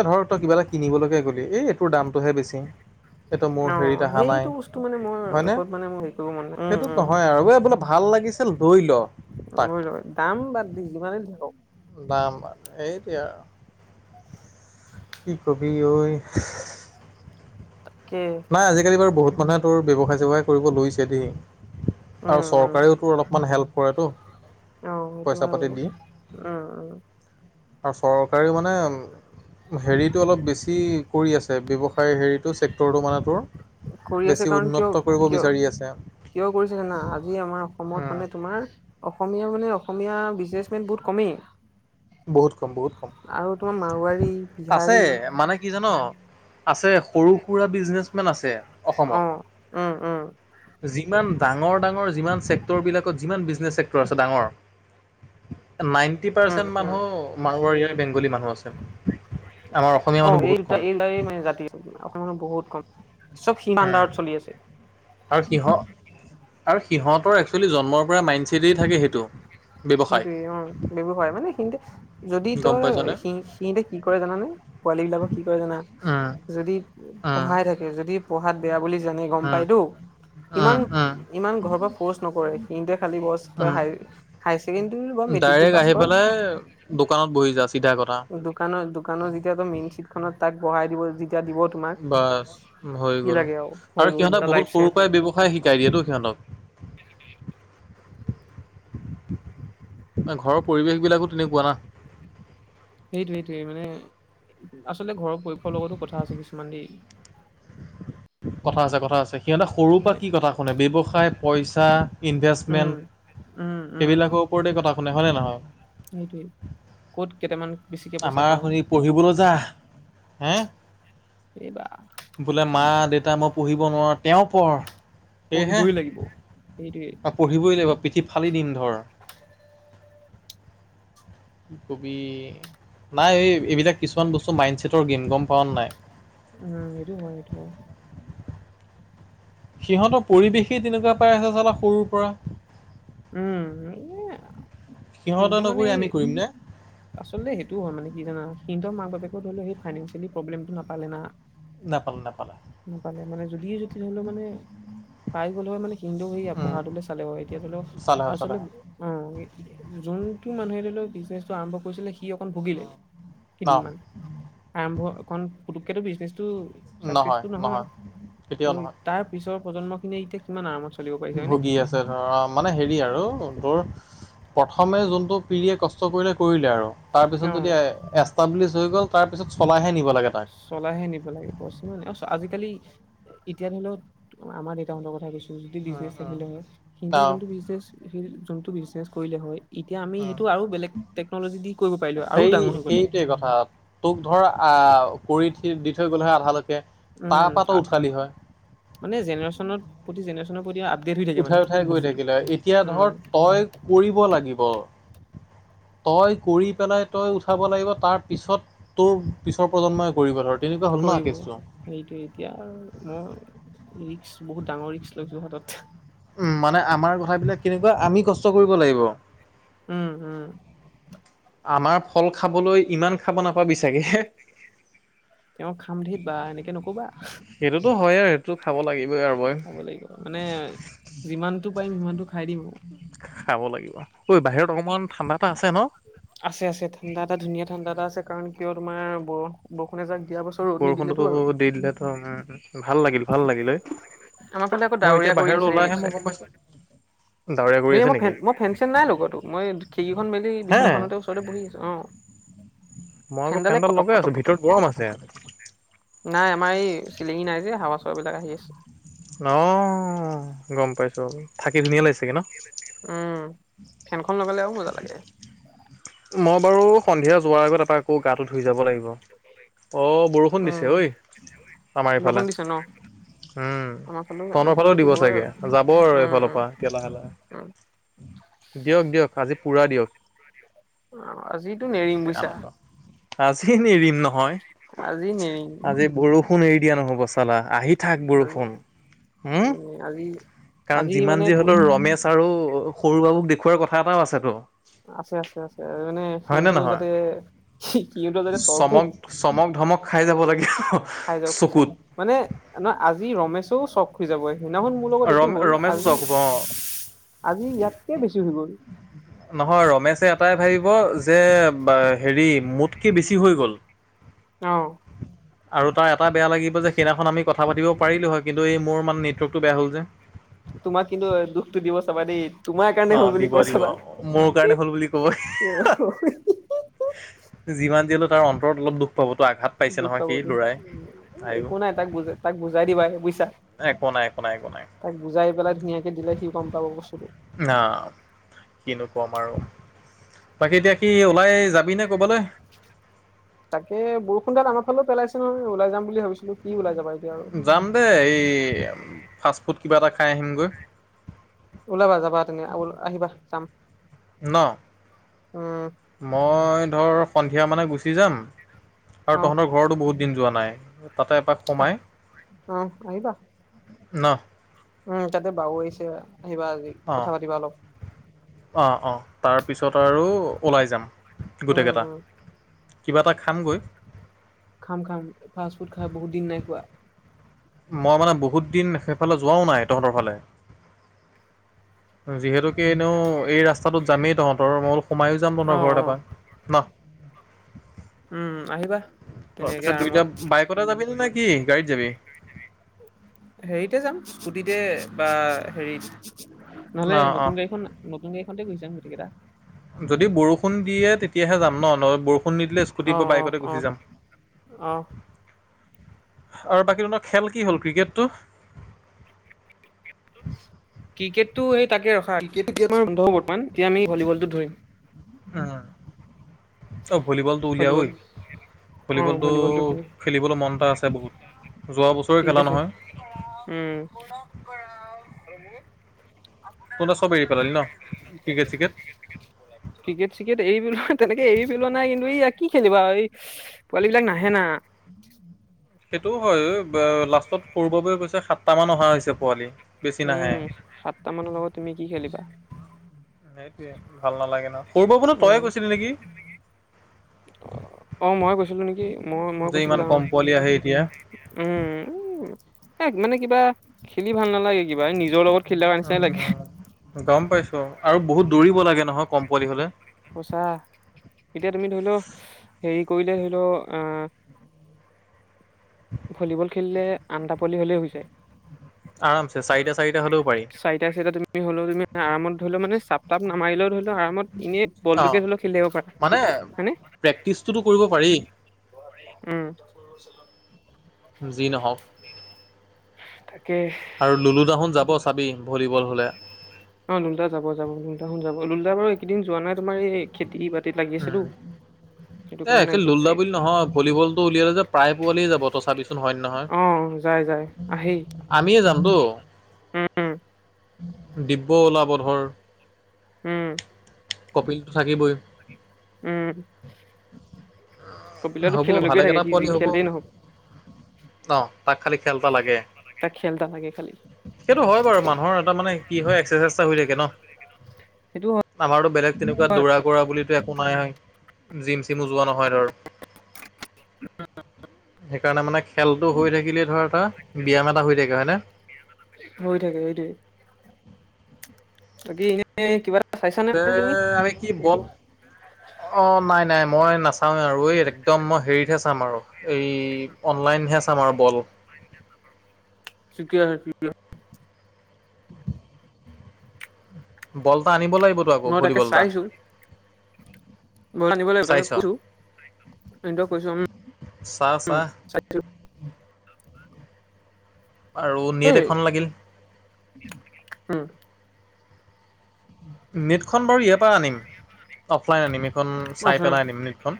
এ ধৰ তই কিবা এটা কিনিবলৈকে গ'লি, এই এইটোৰ দামটোহে বেছি এইটো অ মোৰ হেৰিত অহা নাই, সেইটো বস্তু মানে মোৰ হয়নে লাইফত মানে মোৰ হেৰি কৰিব মন নাই উম সেইটোত উম নহয় আৰু বোলে ভাল লাগিছিল লই ল তাক লৈ লয় দাম বাদ দি যিমানেই ধৰক দাম, এইটোৱে আৰু কি কবি ঐ কে নাই, আজিকালি বাৰু বহুত মানুহে তোৰ ব্যৱসায় চেৱসায় কৰিব লৈছে দেই উম আৰু, চৰকাৰেও তো অলপমান হেল্প কৰেতো আহ, সেইটো পইচা ভাল পাতি উম, দি উম, আৰু চৰকাৰীও মানে হেৰিটো, অলপ বেছি কৰি আছে ব্যৱসায় হেৰিটো চেক্টৰটো মানে, তোৰ কৰি বেছি আছে কাৰণ কিয় উন্নত কৰিব কিয়? বিচাৰি আছে কিয় কৰিছে জানা, আজি আমাৰ অসমত উম মানে তোমাৰ অসম অসমীয়া মানে, অসমীয়া বিজনেচমেন বহুত কমেই বহুত কম, বহুত কম, আৰু তোমাৰ মাৰোৱাৰী আছে বিহাৰী মানে কি জান? আছে সৰু সুৰা বিজনেচমেন আছে অ অসমত উম উম যিমান ডাঙৰ, ডাঙৰ, যিমান চেক্টৰবিলাকত যিমান বিজনেছ চেক্টৰ আছে ডাঙৰ নাইন উম ন, উম মানুহ মাৰোৱাৰী বেংগলী মানুহ আছে আমাৰ অসমীয়া মানুহ অ', এই বহুত কম দুটাই মানে জাতি অসমীয়াখন বহুত কম চব সীমান্দাৰত উম, চলি আছে আৰু কিহ আৰু সিহঁতৰ একচুৱেলি জন্মৰ পৰা মাইণ্ড চছেটেই থাকে সেইটো ব্যৱসায় সেইটোয়ে অ', ব্যৱসায় মানে সিহতে যদি গম তই পাইছনে সি সিহতে কি কৰে জানানে পোৱালী বিলাকক কি কৰে জানা উম যদি উম পঢ়াই থাকে যদি পঢ়াত বেয়া বুলি জানি গম উম পাইতো ইমান উম উম ইমান ঘৰ পৰা ফৰ্চ নকৰে সিতেোৱে খালী উম হাই ছেকেণ্ডাৰী বা ডাইৰেক্ট আহি পেলাই দোকানত বহি যা চিধা কথা। মেট্ৰিকটো দোকানৰ মেইন চিট খনত তাক বহাই দিব দিব তোমাক বাছ হৈ কি গ'ল লাগে হৈ আৰু, গ'ল সিহঁতক তাৰ লাইফ বহুত সৰুৰ ছেট পৰাৰাই ব্যৱসায় শিকাই দিয়েতো সিহঁতক ঘৰৰ পৰিৱেশ বিলাকো তেনেকুৱা না সেইটো সেইটোয়েই মানে, আচলতে ঘৰৰ পৰিশৰ লগতো কথা আছে কিছুমান দে কথা আছে, কথা আছে সিহঁতে সৰুৰ পৰা মানে কি কথা শুনে ব্যৱসায় পইচা উম, ইনভেষ্টমেণ্ট, উম, উম সেইবিলাকৰ ওপৰতে কথা শুনে হয়নে নহয় সেইটোৱে ক'ত কেইটামান বেছিকে পইচা আমাৰ পাওঁ হৰি পঢ়িবলৈ যা হে সেইবা বোলে মা দেউতা মই পঢ়িব নোৱাৰো তেওঁ পঢ় সেয়েহে পহিবই লাগিব সেইটোৱে পঢ়িবই লাগিব, পিঠি ফালি দিম ধৰ কবি নাই এই এইবিলাক কিছুমান বস্তু মাইণ্ড ছেটৰ গেম গেম পাৱ নাই উম, সেটো হয় সেইটো হয় সিহঁতৰ পৰিৱেশেই তেনেকুৱা পাই আছে চালা সৰুৰ পৰা উম, সিং সিহঁতে ত মানে নকৰি আমি কৰিম নে আচলতে সেইটো হয় মানে কি জানা কিন্তৰ মাক বাপেত ধৰি লও সেই ফাইনেন্ঞ্চিয়েল প্ৰ্লেমটো নাপালে না। নাপালে নাপালে। নাপালে মানে যদিয়ে যদি ধলেও মানে পাই গ'ল হয় মানে সিন্দু হেয়া উম পঢ়াটো চে হয় এতিয়া ধৰি লক চালে চালে আচলতে অ যোনটো মানুহে ধৰি লও বিজনেচটো আৰম্ভ কৰিছিলে কি অকন ভুগিলে উম ন কেইদিনমান আৰম্ভ অ পুতুককো বিজনেছ চচটো নহয় ত কেতিয়াও নহয় তাৰ পিছৰ প্ৰজন্ম খিনি এতিয়া কিমান আৰামত চলিব পাৰিছে হয়নে ভুগি আছে ধৰা মানে মানে হেৰি আৰু তোৰ প্ৰথমে যোনটো পিৰীয়ে কষ্ট কৰিলে কৰিলে আৰু। তাৰ পিছত অ যদি এষ্টাবলিছ হৈ গ'ল তাৰ পিছত চলাইহে নিব। লাগে তাক চলাইহে নিব লাগে [unintelligible] কালি এতিয়া ধৰি লও আমাৰ দেউতাহঁতৰ কথা কৈছোঁ উম বিনে উম থাকে হয় সিৰ অ যোনটো বিজনে সেই যোনটো বিজনেচ কৰিলে হয়, এতিয়া আমি উ, সেইটো আৰু বেলেগ টেকনলজি দি কৰিব পাৰিলো হয়, আৰু সেই ডাঙৰ হৈ গ'ল হয় সেইটোৱে কথা তোক ধৰ আহ, কৰি থ দি থৈ গ'লেহে আধালৈ উম মানে জেনেৰে্যন প্ৰতি জেনেৰেশ্যনৰ প্ৰতি আপডেট হৈ থাকে মানে উঠাই উঠাই গৈ বস্তুটো থাকিলে এতিয়া উম ধৰ তই কৰিব লাগিব। তই কৰি পেলাই তই উঠাব লাগিব তাৰ পিছত তোৰ পিছৰ প্ৰজন্মই কৰিব ধৰ তেনেকুৱা হ'ল ন কৰিব কেছটো সেইটো এতিয়া মই ৰি্ বহুত ডাঙৰ ৰিক্স লাইছোঁ হাতত। উম, মানে আমাৰ কথাবিলাক কেনেকুৱা আমি কষ্ট কৰিব লাগিব। উম, উম। আমাৰ ফল খাবলৈ ইমান খাব নাপাবি চাগে, তেওঁ [inaudible] বা এনেকে নকবা। সেইটোতো হয় আৰু সেইটো খাব লাগিবই আৰু মই খাব লাগিব মানে যিমানতটো পাৰিম সিমানতটো খাই দিম আৰু। খাব লাগিব আৰু। আছে আছে ঠাণ্ডা এটা ধুনীয়া ঠাণ্ডা এটা আছে। কাৰণ কিয় তোমাৰ বৰ-বৰষুণে এজাক দিয়া বছৰ ৰ'দ নিদিলেতো বৰষুণতটো আৰু। দি দিলে [inaudible] ভাল লাগিল ভাল লাগিলঐ, আমাৰ ফালে আকৌ মই ডাৱৰীয়া এতিয়া কৰি বাহিৰলৈ ওলাই আহে মই গম পাইছোঁ। ধুন মই ফেন মই ফেন চেন নাই লগোৱাতো মই খিৰিকিীখন মেলি হে বিচনাখনতে ওচৰতে বহি আছোঁ। অ, মই আকৌ ফেনডালে ফেনডাল কটক লগাই আছো কটক কটক ভিতৰত গৰম আছে নাই আমাৰ এই চিলিঙি নাই যে হাৱা চাবিলাক আহি আছে। অ', গম পাইছোঁ থাকি ধুনীয়া লাগিছেগে ন? উম, ফেনখন লগালে আৰু বজা লাগে। মই বাৰু সন্ধিয়া যোৱাৰ আগত এপৰা আকৌ গাটো ধুই যাব লাগিব। অ, বৰষুণ উম দিছে ঐ আমাৰ বৰষুণ এইফালে। দিছে ন উম, আমাৰ ফালেও আমাৰ তহতৰ ফালেও দিব দিবই আৰু। চাগে যাব আৰু এইফালৰ উম পৰা [inaudible] লাহে উম লাহে। দিয়ক দিয়ক আজি পুৰা দিয়ক। অ, আজিতো নেৰিম বুইছা। আজি এৰিম নহয় আজি নেৰিম। আজি বৰষুণ এৰি দিয়া নহব চালা। আহি থাক আজি বৰষুণ। উম, আজি কাৰণ আজি যিমান যি মানে হলেও ৰমেশ আৰু সৰু বাবুক দেখওৱাৰ কথা এটাও আছে তো। আছে আছে আছে মানে সিতেও নহয় যাতে সিটো যাতে তৰপক। চমক চমক ধমক খাই যাব লাগে। খাই যাওক খাই চকুত। মানে নহ আজি ৰমেশও চখ খু যাবই। সেইনাখন মোৰ লগত এইটো ৰম হ'ল ৰমেশো আজি চকুব অ আজি ইয়াতকে বেছি হৈ গ'ল। নহয় ৰমেশে এটাই ভাবিব যে হেৰি, মোতকৈ বেছি হৈ গ'ল। অ'। আৰু তাৰ এটা বেয়া লাগিব যে সেইদিনাখন আমি কথা পাতিব পাৰিলো হয় কিন্তু এই মোৰ মানে নেটৱৰ্কটো বেয়া হ'ল যে তোমাক কিন্তু দুখটো দিব চাবা দেই। তোমাৰ কাৰণে অ হ'ল বুলি দিব কব দিব চাবা। মোৰ কাৰণে হ'ল বুলি ক'ব যিমান দিয়লেও তাৰ অন্তৰত অলপ দুখ। পাবতো আঘাত পাইছে দুখ নহয় পাব সি দুখ ল'ৰাই পাব তাইও একো নাই তাক বুজাই তাক বুজাই দিবা বুইছা। একো নাই একো নাই একো নাই তাক বুজাই পেলাই ধুনীয়াকে দিলে সি গম পাব বস্তুটো। না কিনো কম। বাকী এতিয়া কি ওলাই যাবি নে কবালৈ? সোন তাল আমাৰ ফালে পেলাইছে ন ওলায় যাম বুলি। ভাবিছিলো কি ওলাই যাবা এতিয়া আৰু যাম দেই এই ফাষ্ট ফুড কিবা এটা খাই আহিমগৈ। ওলাবা যাবা তুমি আহিবা চাম। ন। উম। মই ধৰ সন্ধিয়া মানে গুচি যাম আৰু অ তহঁতৰ ঘৰতো বহুত দিন যোৱা নাই। তাতে এপাক সোমাই আহ অ', আহিবা। ন। উম, তাতে বাও আহিছে আহিবা আজি কথা পাতিবা অলপ। অ', অ', তাৰপিছত আৰু ওলাই যাম গোটেই উম কেইটা। উম কিবা এটা খামগৈ। খাম, খাম ফাষ্ট ফুড খাই বহুত দিন নাই খোৱা। মই মানে বহুত দিন সেইফালে যোৱাও নাই তহঁতৰ ফালে। যিহেতু ত এনেও এই ৰাস্তাটো যামেই তহঁতৰ মই অল সোমাই যাম অ তহঁৰ অ ঘৰত এবাৰ ন। [inaudible] উম, উম। তাৰপিছত দুইটা বাইকতে যাবি ন নেকি গাড়ীত যাবি। হেৰিতে যাম। বা হেৰি ন নহলে অঁ নতুন গাড়ীখন নতুন গাড়ী খনতে [unintelligible] যদি বৰষুণ দিয়ে তেতিয়াহে যাম ন ন বৰষুণ নিদিলে অ স্কুটিৰ পৰা অ বাইকতে অ গুচি যাম। অ আৰু বাকী তহঁতৰ খেল কি হ'ল ক্ৰিকেটটো? ক্ৰিকেটটো তেতিয়া আমি ভলীবলটো ধৰিম। উ। অ', ভলীবলতটো ভলীবল উলিয়াওই অ ভলীবল টো ভলীবলটো খেলিম খেলিবলৈ মন এটা আছে। তা বহুত যোৱা বছৰে ঠিক খেলা আছে নহয়। উম [unintelligible] প ক্ৰিকেট চিকেট। ক্ৰিকেট চিকেট এৰি পেলোৱা, তেনেকে এৰি পেলোৱা নাই, কিন্তু এই কি খেলিবা এই পোৱালী বিলাক নাহে না। সেইটো হয় লাষ্টত সৰু বাবু কৈছে সাতটা মান অহা হৈছে পোৱালি। বেছি নাহে। উম সাতটা মানৰ লগত তুমি কি খেলিবা। সেইটোৱয়ে ভাল নালাগে ন। সৰু বাবু নে উ তয়ে কৈছিলি নেকি অ', মই কৈছো। [unintelligible] নেকি মই মই যে কৈছোঁ ইমান বোলো আৰু কম পোৱালি আহে এতিয়া। উম। এ মানে কিবা খেলি ভাল নালাগে কিবা এই নিজৰ লগত খেলি থকা নিচিনাই লাগে উ গম পাইছোঁ আৰু বহুত দৌৰিব লাগে নহয় কম পোৱালি হলে। সঁচা এতিয়া তুমি ধৰি লও হেৰি কৈলে হেলো আহ। ভলীবল খেলিলে আনটা পোৱালি হ'লেই হৈ যায়। আৰামছে চাৰিটা চাৰিটা হ'লেও পাৰি চাৰিটা চাৰিটা তুমি হ'লেও তুমি আৰামত ধৰিলেও মানে চা তাত নামাৰিলেও ধৰি লোৱা আৰামত এনেই অ বলটোকে হ'লেও খেলি থাকিব পাৰা, মানে হয়নে? প্ৰেক্টিচটোতো কৰিব পাৰি উম। যি নহওঁক তাকেই। আৰু লুলো দাহত যাব চাবি, ভলীবল হ'লে। অ', লুলো দা যাব যাব, লুলো দা হঁত যাব, লুলো বাৰু এইকেইদিন যোৱা নাই তোমাৰ এই খেতি বাতি ত লাগি আছেতো। সেইটো এই কাৰণে নাই একচুৱেলী যোৱা লুলো দা চাগে বুলি নহয়, ভলীবলটো উলিয়ালে যে প্ৰায় পোৱালিয়েই যাব, তই চাবিচোন হয় নে নহয়। যাই যাই, আহেই। আমিয়েই যামতো। উম। দিব্য ওলাব ধৰ উম। কপিলটো থাকিবই। উম। কপিলেতো হ'ব, খেললৈকে থাকে ভালেকেইটা সি যি পইণ্টচ হ'ব। খেলেই নহওক ন'? তাক খালি খেল এটা লাগে। তাক খেল এটা লাগে খালি সেইটো হয় বাৰু, মানুহৰ এটা মানে কি হয়? ইচছা হৈ থাকে ন', সেইটো আমাৰো বেলেগ তেনেকুৱা দৌৰা কৰা বুলি একো নাই হয়, জিম চিমো যোৱা নহয় ধৰ। [inaudible] সেইকাৰণে মানে খেলটো হৈ থাকিলে ধৰা এটা ব্যায়াম এটা হৈ থাকে হয়নে? হৈ থাকে সেইটোৱে বাকী এনেই কিবা এটা চাইছা নে তে বাৰু তুমি আমি কি বল, অ', নাই নাই। মই নাচাওঁৱেই আৰু ঐ, একদম মই হেৰিতহে চাম আৰু, এই অনলাইনহে চাম আৰু বল। শক্ৰিয়া শকিয়া। [unintelligible] বল এটা আনিব লাগিবতো আকৌ, ভলীবল এটা। বল আনিব লাগিব, তাকে চাইছ কৈছোঁ। চা চা। চাইছো আৰু নেট এই এখন লাগিল। উম নেটখন বাৰু ইয়াৰ পৰা আনিম, অফলাইন আনিম, এইখন চাই পেলাই আনিম নেটখন।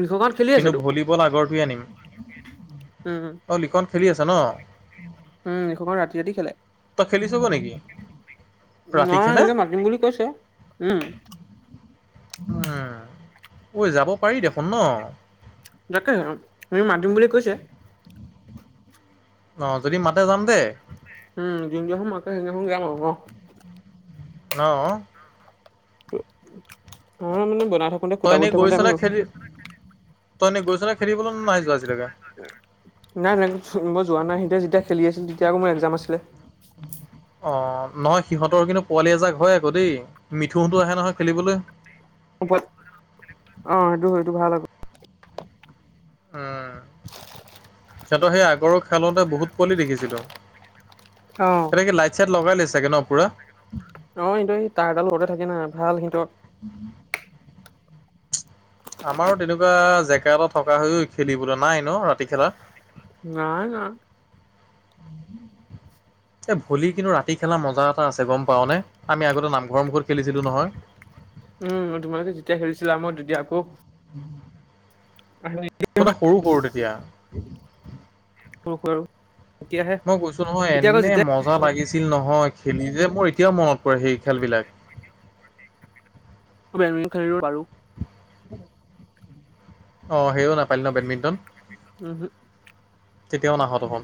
ৰিষখন খেলি আছে ভলীবল আগৰটোয়েই আনিম। হম। অঁ লিখন খেলি আছে ন? উম এইখনক ৰাতি ৰাতি খেলে। খেলি চাব নেকি? ৰাতি নহয় খেলে ইহঁতে মাতিম বুলি কৈছে, উম। উম, ঐ যাব পাৰি দেখোন ন। তাকেহে তুমি মাতিম বুলি কৈছে। অ', যদি মাতে যাম দে। উম, যোনদিনাখন মাতে সেইদিনাখন যাম আৰু ন। ন'? অ', মানে ব তই এনে গৈছ নে খেলি, তই এনে গৈছ নে? নাই, নাই, [unintelligible] মই যোৱা নাই, সিহঁতে যেতিয়া খেলি আছিল তেতিয়া আকৌ মোৰ এক্সাম আছিলে। উ অ নহয় সিহঁতৰ কিন্তু পোৱালি এজাক হয় আকৌ দেই মিথুতো আহে নহয় খেলিবলৈ অ সেইটো সেইটো ভাল আ উম সিহঁতৰ সেই আগৰ খেলতে বহুত পলি দেখিছিলো অ ইাত লগাই লৈ চাগে ন পুৰা অ সু এই তাঁৰডাল লগৰতে থাকে না ভাল সিহত আমাৰো তেনেকুৱা জেগা এটা থকা হৈ খেলিবলৈ নাই ন ৰাতি খেলা ন না এ ভলি কিন্তু ৰাতি খেলা মজা এটা আছে গম পাও নে আমি আগতে নামঘৰৰ মুখত খেলিছিলো নহয় উম তোমালোকে যেতিয়া খেৰিিছিলা মই তেতিয়া আকৌ আৰু ত নে সৰু সৰু তেতিয়া ম কৰ মই কৈছো নহয় এনে মজা লাগিছিল নহয় খেলি যে মোৰ এতিয়াও মনত পৰে সেই খেলবলাক বেডমিণ্টনো বাৰু উ অ সেয়ও নাপালিলি ন বেডমিণ্টন উম হম তেতিয়াও নাহঁতখন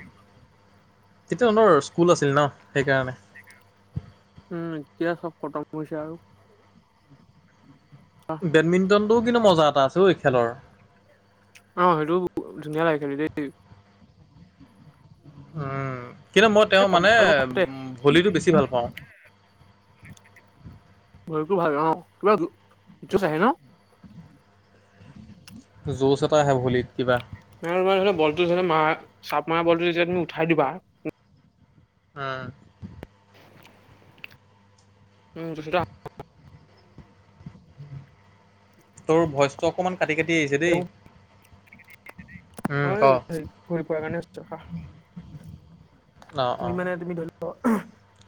তেতিয়া তহঁতৰ স্কুল আছিল ন সেইকাৰণে উম এতিয়া চব খটম হৈছে আৰু বেডমিণ্টনটোও কিন্তু মজা এটা আছে ঐ এই খেলৰ আহ সেইটো ধুনীয়া লাগে খি দেই উম কিন্তু মই তেওঁ মানে ফাটে উ ভলীটো বেছি ভাল পাওঁ ভৰকো ভাল অ কিবা জচ আহে ন যুচ এটা আহে ভলিত তোমাৰ ধ বলটো ম চাপ মৰা বলটো যেতিয়া তুমি উঠাই দিবা হ উম ছৰা তোৰ ভইচটো অকমান কাটি কাটি আহিছে দেই উম, অ ক। ঘূৰি ফোৱাৰ কাৰণো অ', তুমি অ', মানে তুমি ধৰি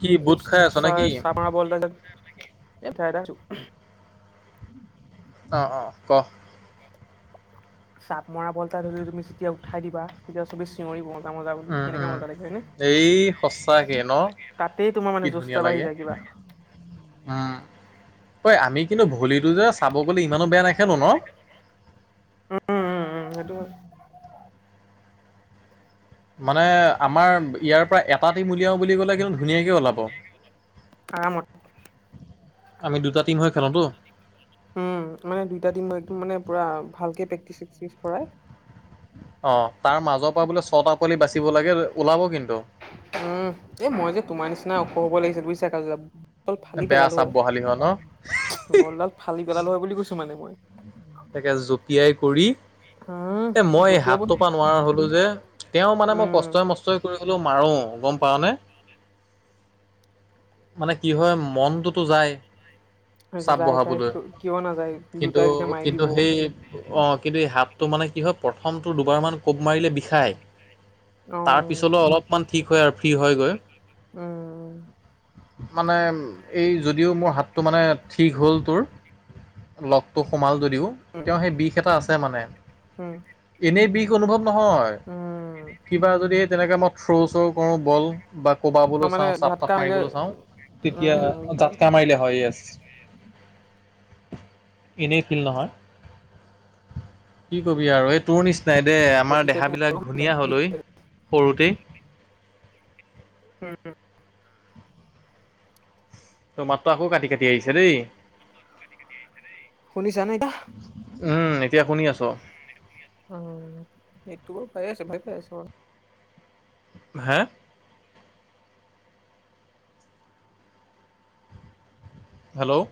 কি বুট খাই আছ নে চ কি? চ মাৰ বল যে এ থাই থছো আহ অ ক চাপ মৰা বল তাত ধৰিও তুমি যেতিয়া উঠাই দিবা তেতিয়া তুমি চিঞৰি বন উম উম এই সচাকে ন তাতেই তোমাৰ কি মানে ধুনীয়া জোচতা বাঢ়ি লাগে। যায় কিবা। উম ঐ আমি কিন্তু ভোলীটো যে চাব গ'লে ইমানো বেয়া নাখেনো ন উম উম উম মানে আমাৰ ইয়াৰ পৰা এটা টি মূলিয়াওঁ বুলি ক'লে কিন্তু ধুনীয়াকৈ ওলাব অ ম আমি দুটা তিিন হৈ খেলোতো উম মানে দুইটা দিন ম একদম মানে পুৰা ভালকে প্ৰেক্টিচ চটিচ কৰাই অ তাৰ মাজৰ পৰা বোলে ছটা পোৱালি বাচিব লাগে ওলাব কিন্তু উম এ মই যে তোমাৰ নিচিনা ওখ হব লাগিছে বুজিছা কল ফালি পেলালো হয় অ বলডাল ফালি পেলাল হয় বুলি কৈছো মানে মই তাকে জপিয়াই কৰি উম এ মই এই জঁপিয়াব হাতটো পৰা নোৱাৰো। হলো যে তেওঁ মানে মই উম কষ্টই মষ্টই কৰিলেও। মাৰো গ'ম পাওঁ নে। মানে কি হয় মনটোতো যায়। অ' চাপ যায়, যায় বহাবলৈ কি কিয় নাযায় কিন্তু দুতাইযেতিয়া মাৰ কিন্তু সেই অ' কিন্তু এই হাতটো মানে কি হয়। প্ৰথমটো দুবাৰমান কোপ মাৰিলে বিষায় তাৰপিছলৈ অ অলপমান ঠিক হয় আৰু। থিৰ হয় গৈ। উম। মানে এই যদিও মোৰ হাতটো মানে ঠিক হ'ল তোৰ। লগটো সোমাল যদিওঁ। উম, তেওঁ সেই বিষ এটা আছে মানে। উম, এনেই বিষ অনুভৱ নহয় উম, কিবা যদি তেনে ককাকে মই। থ্ৰ' চ' কৰোঁ বল। বা তাৰ কবাবলৈ মানে চাওঁ চাপ ঝাটকা তাপ আহিলে মাৰিবলৈ চাওঁ তেতিয়া উম, বিষাই জাতকা মাৰিলে হয় ইয়চ। [inaudible] এনেই ফিল নহয়, কি কবি আৰু এই তোৰ নিচিনা নাই দে আমাৰ তেতিয়াতো দেহাবিলাক আৰু হৈ যায় ঘূনীয়া হলই বিষাই। সৰুতেই উম। তোৰ মাতটো আকৌ কাটি কাটি আহিছে দেই। শুনিছা নে এতাহ উম, এতিয়া শুনি আছো। অ' এইটো বাৰু পাই আছে ভাল পাই আছো বাৰু। হা হেল্ল'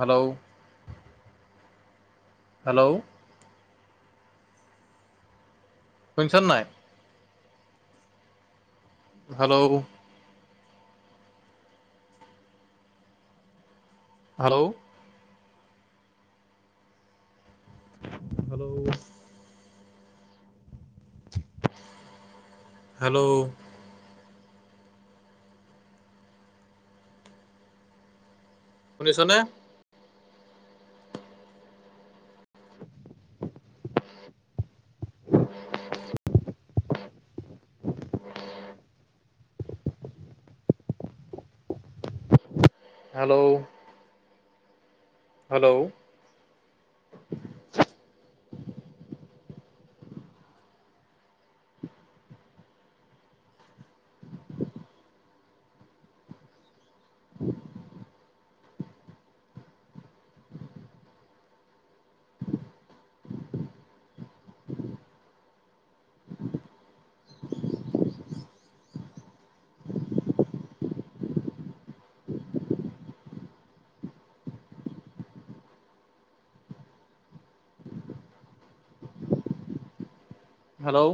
হেল্ল' হেল্ল' শুনিছ নাই। হেল্ল' হেল্ল' হেল্ল' হেল্ল' শুনিছ নে। Hello hello [unintelligible] hello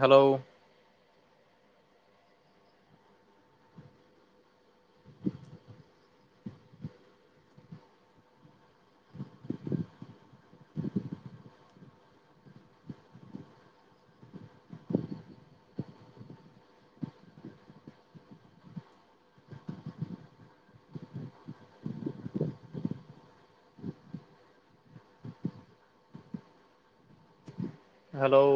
hello hello